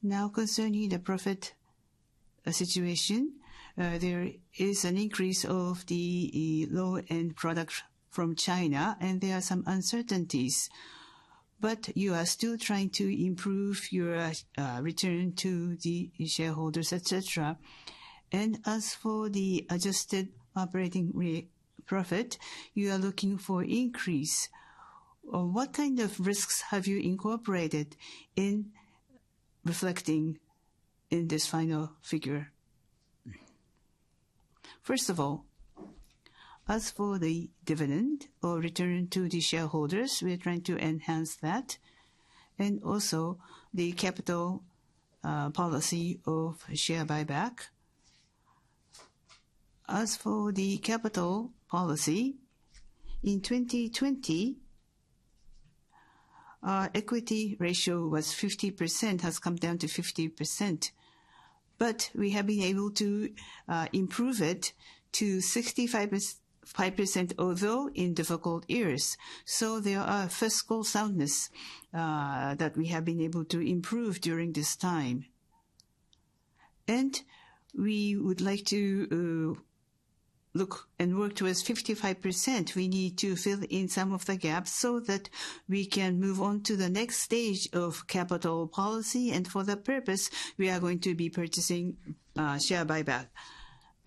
Now, concerning the profit situation, there is an increase of the low-end product from China, and there are some uncertainties. But you are still trying to improve your return to the shareholders, etc. And as for the Adjusted Operating Profit, you are looking for increase. What kind of risks have you incorporated in reflecting in this final figure? First of all, as for the dividend or return to the shareholders, we're trying to enhance that. And also the capital policy of share buyback. As for the capital policy, in 2020, our equity ratio was 50% but has come down to 50%. We have been able to improve it to 65% overall in difficult years, so there are fiscal soundness that we have been able to improve during this time, and we would like to look and work towards 55%. We need to fill in some of the gaps so that we can move on to the next stage of capital policy, and for that purpose, we are going to be purchasing share buyback.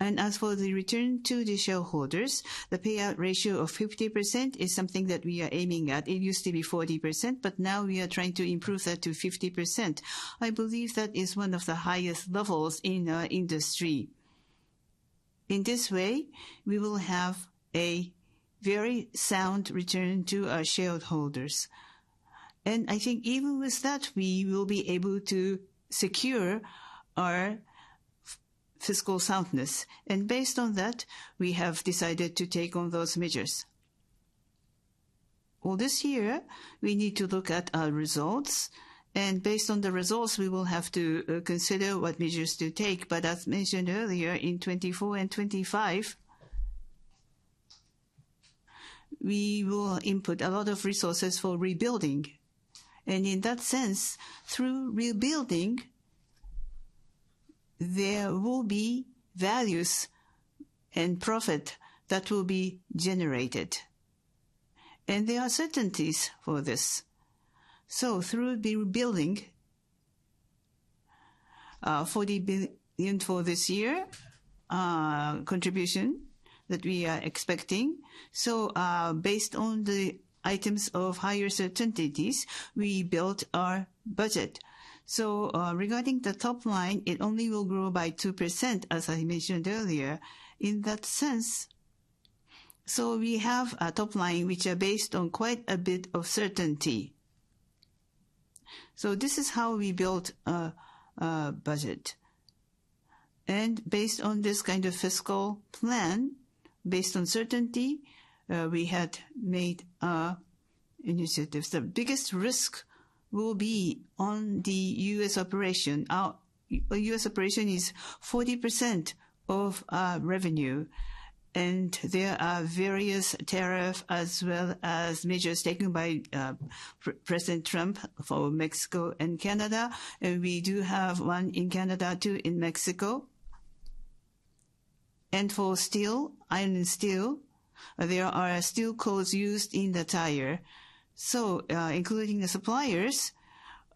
As for the return to the shareholders, the payout ratio of 50% is something that we are aiming at. It used to be 40%, but now we are trying to improve that to 50%. I believe that is one of the highest levels in our industry. In this way, we will have a very sound return to our shareholders. I think even with that, we will be able to secure our fiscal soundness. Based on that, we have decided to take on those measures. This year, we need to look at our results. Based on the results, we will have to consider what measures to take. As mentioned earlier, in 2024 and 2025, we will input a lot of resources for rebuilding. In that sense, through rebuilding, there will be values and profit that will be generated. There are certainties for this. Through rebuilding, 40 billion for this year contribution that we are expecting. Based on the items of higher certainties, we built our budget. Regarding the top line, it only will grow by 2%, as I mentioned earlier. In that sense, we have a top line which is based on quite a bit of certainty. So this is how we built a budget. And based on this kind of fiscal plan, based on certainty, we had made initiatives. The biggest risk will be on the U.S. operation. U.S. operation is 40% of our revenue. And there are various tariffs as well as measures taken by President Trump for Mexico and Canada. And we do have one in Canada, two in Mexico. And for steel, iron and steel, there are steel cords used in the tire. So including the suppliers,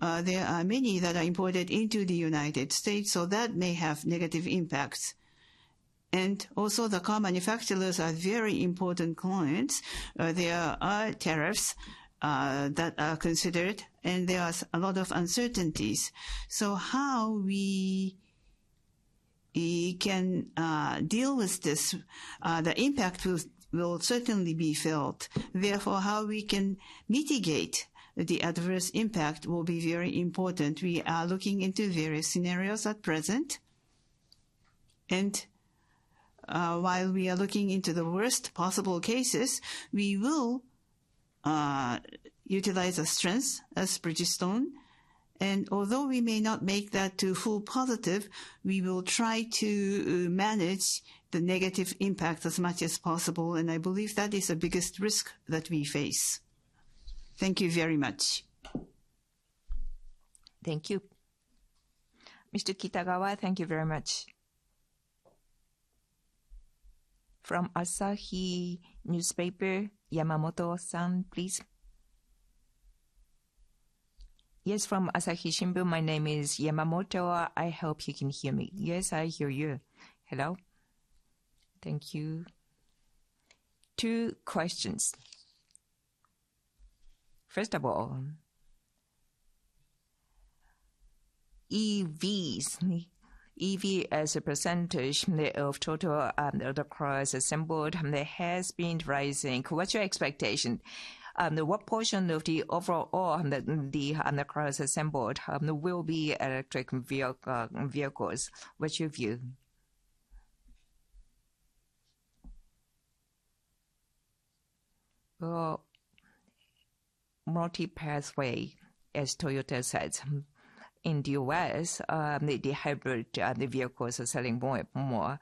there are many that are imported into the United States. So that may have negative impacts. And also the car manufacturers are very important clients. There are tariffs that are considered, and there are a lot of uncertainties. So how we can deal with this, the impact will certainly be felt. Therefore, how we can mitigate the adverse impact will be very important. We are looking into various scenarios at present. And while we are looking into the worst possible cases, we will utilize our strengths as Bridgestone. And although we may not make that too full positive, we will try to manage the negative impact as much as possible. And I believe that is the biggest risk that we face. Thank you very much. Thank you. Mr. Kitagawa, thank you very much. From Asahi Shimbun, Yamamoto-san, please. Yes, from Asahi Shimbun, my name is Yamamoto. I hope you can hear me. Yes, I hear you. Hello. Thank you. Two questions. First of all, EVs, EV as a percentage of total undercarriage assembled, there has been rising. What's your expectation? What portion of the overall undercarriage assembled will be electric vehicles? What's your view? Well, multi-pathway, as Toyota said. In the U.S., the hybrid vehicles are selling more and more.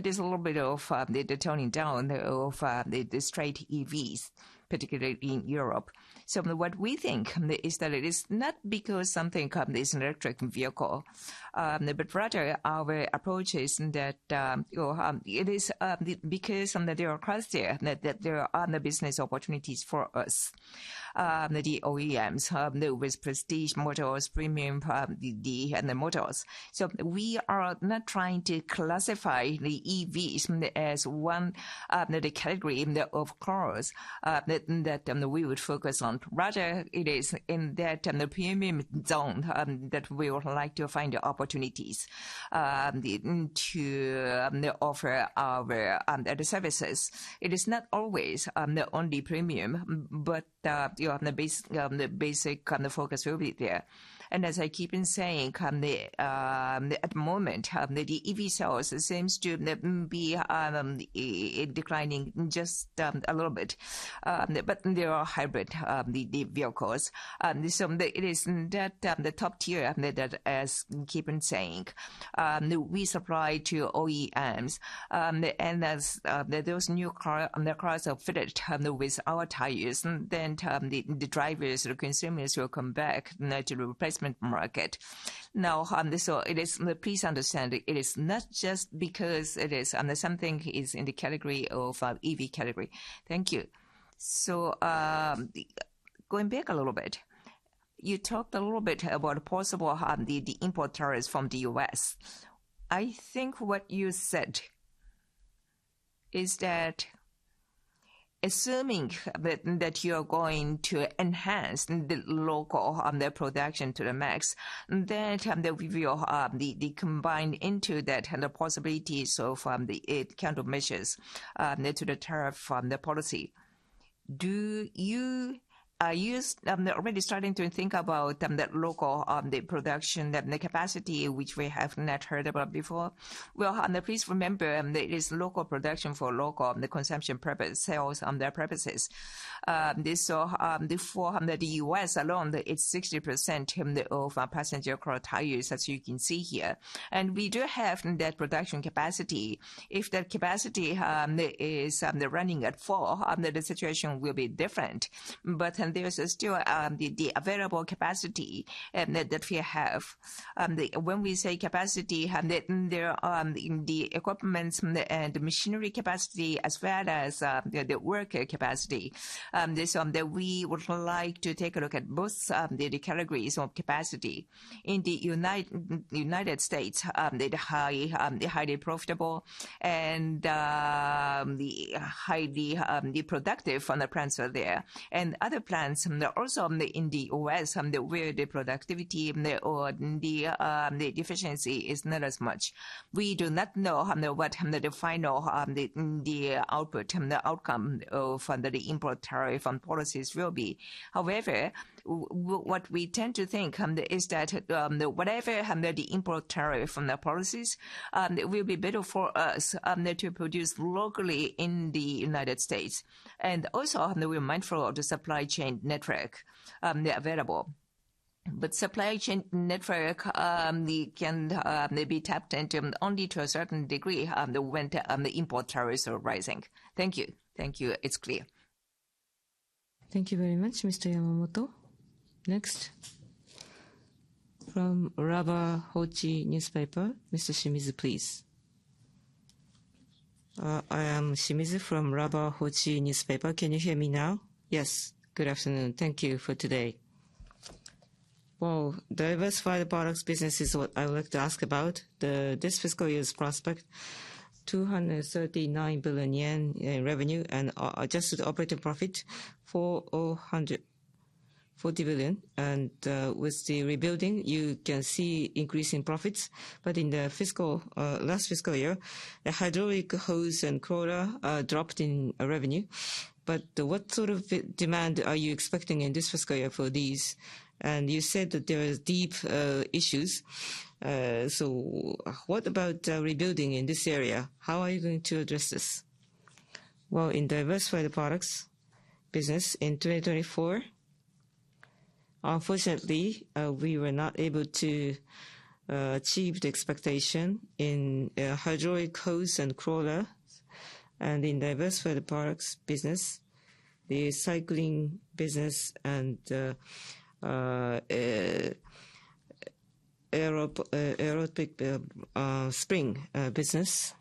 There's a little bit of the turning down of the straight EVs, particularly in Europe. What we think is that it is not because something is an electric vehicle, but rather our approach is that it is because there are costs there that there are other business opportunities for us, the OEMs, with prestige motors, premium EVs, and the motors. We are not trying to classify the EVs as one of the category of cars that we would focus on. Rather, it is in that premium zone that we would like to find opportunities to offer our services. It is not always the only premium, but the basic focus will be there. As I keep on saying, at the moment, the EV sales seems to be declining just a little bit. There are hybrid vehicles. It is that the top tier that, as I keep on saying, we supply to OEMs. And as those new cars are fitted with our tires, then the drivers, the consumers will come back to the replacement market. Now, so please understand, it is not just because it is something in the category of EV category. Thank you. Going back a little bit, you talked a little bit about possible import tariffs from the U.S. I think what you said is that assuming that you are going to enhance the local production to the max, that will be combined into that possibilities of the kind of measures to the tariff policy. Are you already starting to think about that local production capacity, which we have not heard about before? Please remember, it is local production for local consumption purpose sales purposes. For the U.S. alone, it's 60% of passenger car tires, as you can see here. We do have that production capacity. If that capacity is running at full, the situation will be different. There's still the available capacity that we have. When we say capacity, there are the equipment and machinery capacity as well as the work capacity. We would like to take a look at both the categories of capacity. In the United States, the highly profitable and the highly productive plants are there. Other plants also in the U.S., where the productivity or the efficiency is not as much. We do not know what the final output, the outcome of the import tariff on policies will be. However, what we tend to think is that whatever the import tariff on the policies, it will be better for us to produce locally in the United States. And also, we're mindful of the supply chain network available. But supply chain network can be tapped into only to a certain degree when the import tariffs are rising. Thank you. Thank you. It's clear. Thank you very much, Mr. Yamamoto. Next, from Rubber Hochi newspaper, Mr. Shimizu, please. I am Shimizu from Rubber Hochi newspaper. Can you hear me now? Yes. Good afternoon. Thank you for today. Well, diversified products business is what I would like to ask about. This fiscal year's prospect, 239 billion yen in revenue and adjusted operating profit, 440 billion. And with the rebuilding, you can see increasing profits. But in the last fiscal year, the hydraulic hose and crawler dropped in revenue. But what sort of demand are you expecting in this fiscal year for these? And you said that there are deep issues. So what about rebuilding in this area? How are you going to address this? Well, in diversified products business in 2024, unfortunately, we were not able to achieve the expectation in hydraulic hose and crawler. And in diversified products business, the cycling business and air spring business,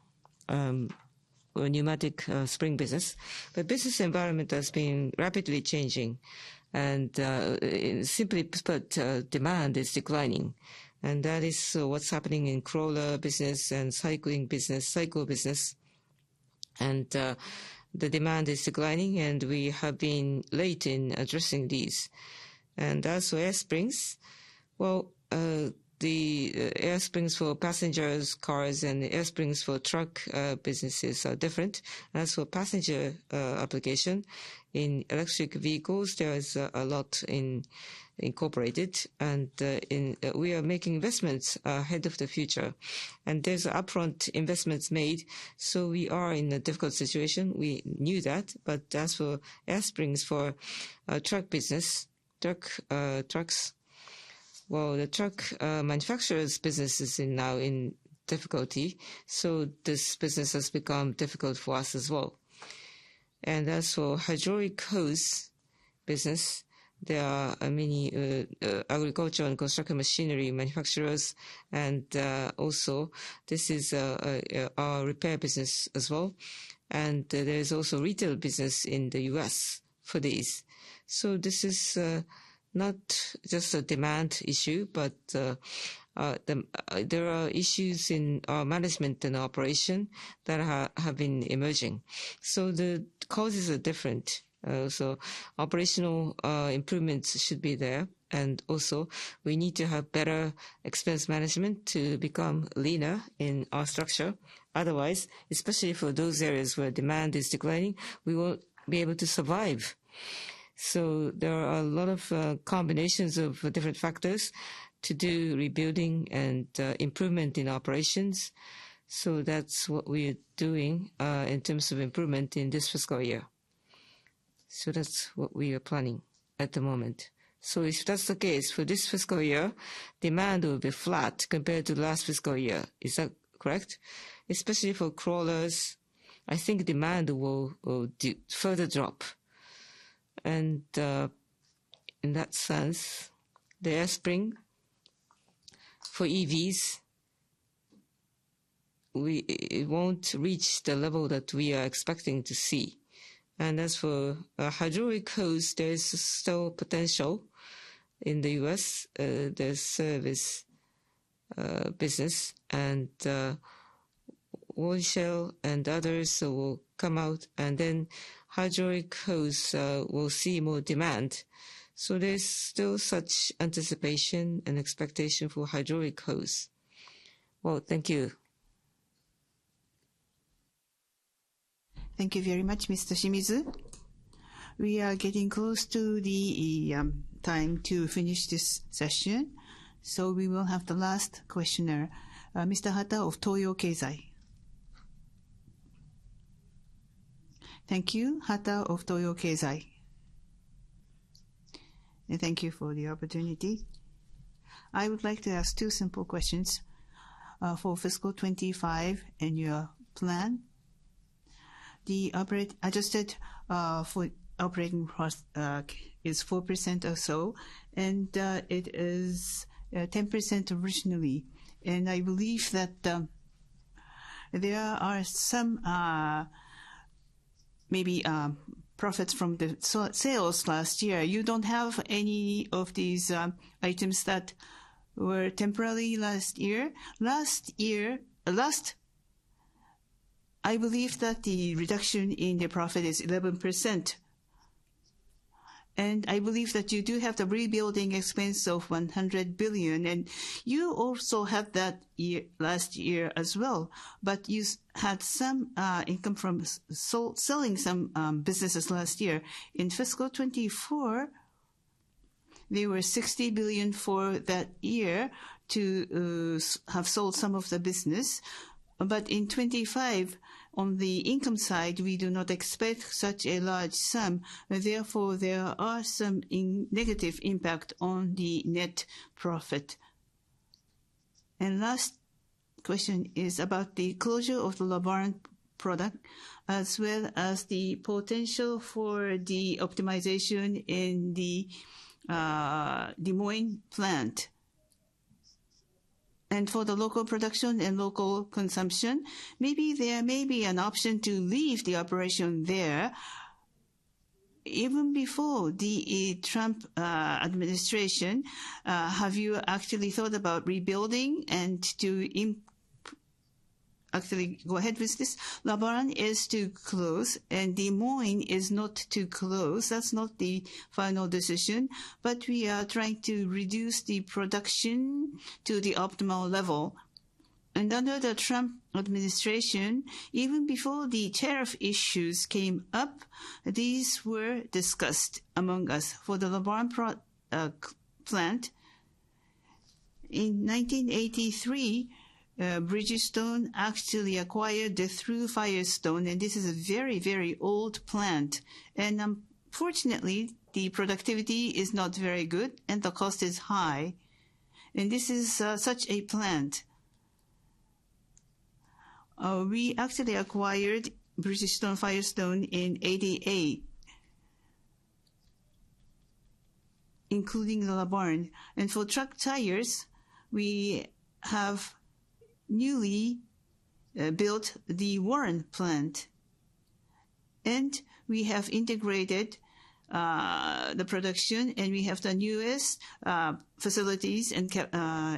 pneumatic spring business. The business environment has been rapidly changing. And simply put, demand is declining. And that is what's happening in crawler business and cycling business, cycle business. And the demand is declining, and we have been late in addressing these. And as for air springs, well, the air springs for passenger cars and air springs for truck businesses are different. As for passenger application, in electric vehicles, there is a lot incorporated. And we are making investments ahead of the future. And there's upfront investments made. So we are in a difficult situation. We knew that. But as for air springs for truck business, trucks, well, the truck manufacturers business is now in difficulty. So this business has become difficult for us as well. And as for hydraulic hose business, there are many agriculture and construction machinery manufacturers. And also, this is our repair business as well. And there is also retail business in the U.S. for these. So this is not just a demand issue, but there are issues in our management and operation that have been emerging. So the causes are different. So operational improvements should be there. And also, we need to have better expense management to become leaner in our structure. Otherwise, especially for those areas where demand is declining, we won't be able to survive. So there are a lot of combinations of different factors to do rebuilding and improvement in operations. So that's what we're doing in terms of improvement in this fiscal year. So that's what we are planning at the moment. So if that's the case for this fiscal year, demand will be flat compared to last fiscal year. Is that correct? Especially for crawlers, I think demand will further drop. And in that sense, the air spring for EVs, we won't reach the level that we are expecting to see. And as for hydraulic hose, there is still potential in the U.S., the service business. And Wind, Shale and others will come out, and then hydraulic hose will see more demand. So there's still such anticipation and expectation for hydraulic hose. Well, thank you. Thank you very much, Mr. Shimizu. We are getting close to the time to finish this session, so we will have the last questioner. Mr. Hata of Toyo Keizai. Thank you. Hata of Toyo Keizai. Thank you for the opportunity. I would like to ask two simple questions for fiscal 2025 and your plan. The adjusted operating profit is 4% or so, and it is 10% originally. I believe that there are some maybe profits from the sales last year. You don't have any of these items that were temporary last year. Last year, I believe that the reduction in the profit is 11%. I believe that you do have the rebuilding expense of 100 billion. You also had that last year as well. But you had some income from selling some businesses last year. In fiscal 2024, there were 60 billion for that year to have sold some of the business. But in 2025, on the income side, we do not expect such a large sum. Therefore, there are some negative impact on the net profit. And last question is about the closure of the Lanklaar plant, as well as the potential for the optimization in the Des Moines plant. And for the local production and local consumption, maybe there may be an option to leave the operation there. Even before the Trump administration, have you actually thought about rebuilding and to actually go ahead with this? Lanklaar is to close, and Des Moines is not to close. That's not the final decision. But we are trying to reduce the production to the optimal level. And under the Trump administration, even before the tariff issues came up, these were discussed among us. For the LaVergne plant, in 1983, Bridgestone actually acquired the Firestone, and this is a very, very old plant. Unfortunately, the productivity is not very good, and the cost is high. And this is such a plant. We actually acquired Bridgestone Firestone in 1988, including the LaVergne. And for truck tires, we have newly built the Warren plant. And we have integrated the production, and we have the newest facilities and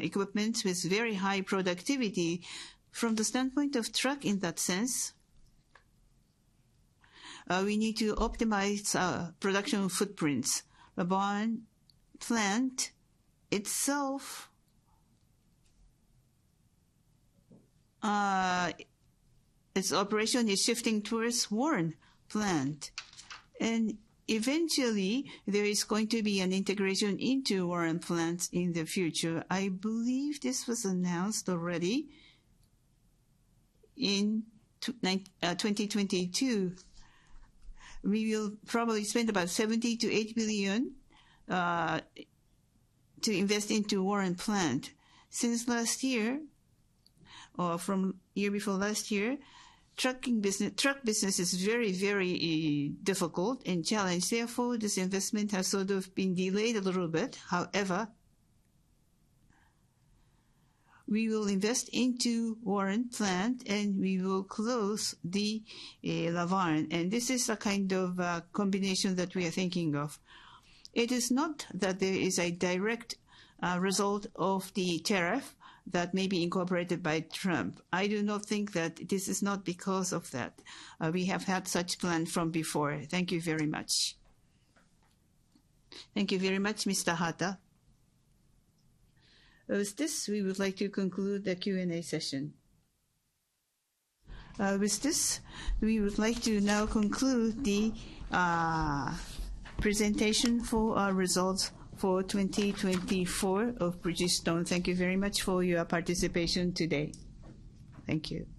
equipment with very high productivity. From the standpoint of truck in that sense, we need to optimize production footprints. LaVergne plant itself, its operation is shifting towards Warren plant. And eventually, there is going to be an integration into Warren plant in the future. I believe this was announced already in 2022. We will probably spend about 70 to 80 billion to invest into Warren plant. Since last year, or from the year before last year, truck business is very, very difficult and challenged. Therefore, this investment has sort of been delayed a little bit. However, we will invest into Warren plant, and we will close the LaVergne, and this is a kind of combination that we are thinking of. It is not that there is a direct result of the tariff that may be imposed by Trump. I do not think that this is not because of that. We have had such plans from before. Thank you very much. Thank you very much, Mr. Hata. With this, we would like to conclude the Q&A session. With this, we would like to now conclude the presentation for our results for 2024 of Bridgestone. Thank you very much for your participation today. Thank you.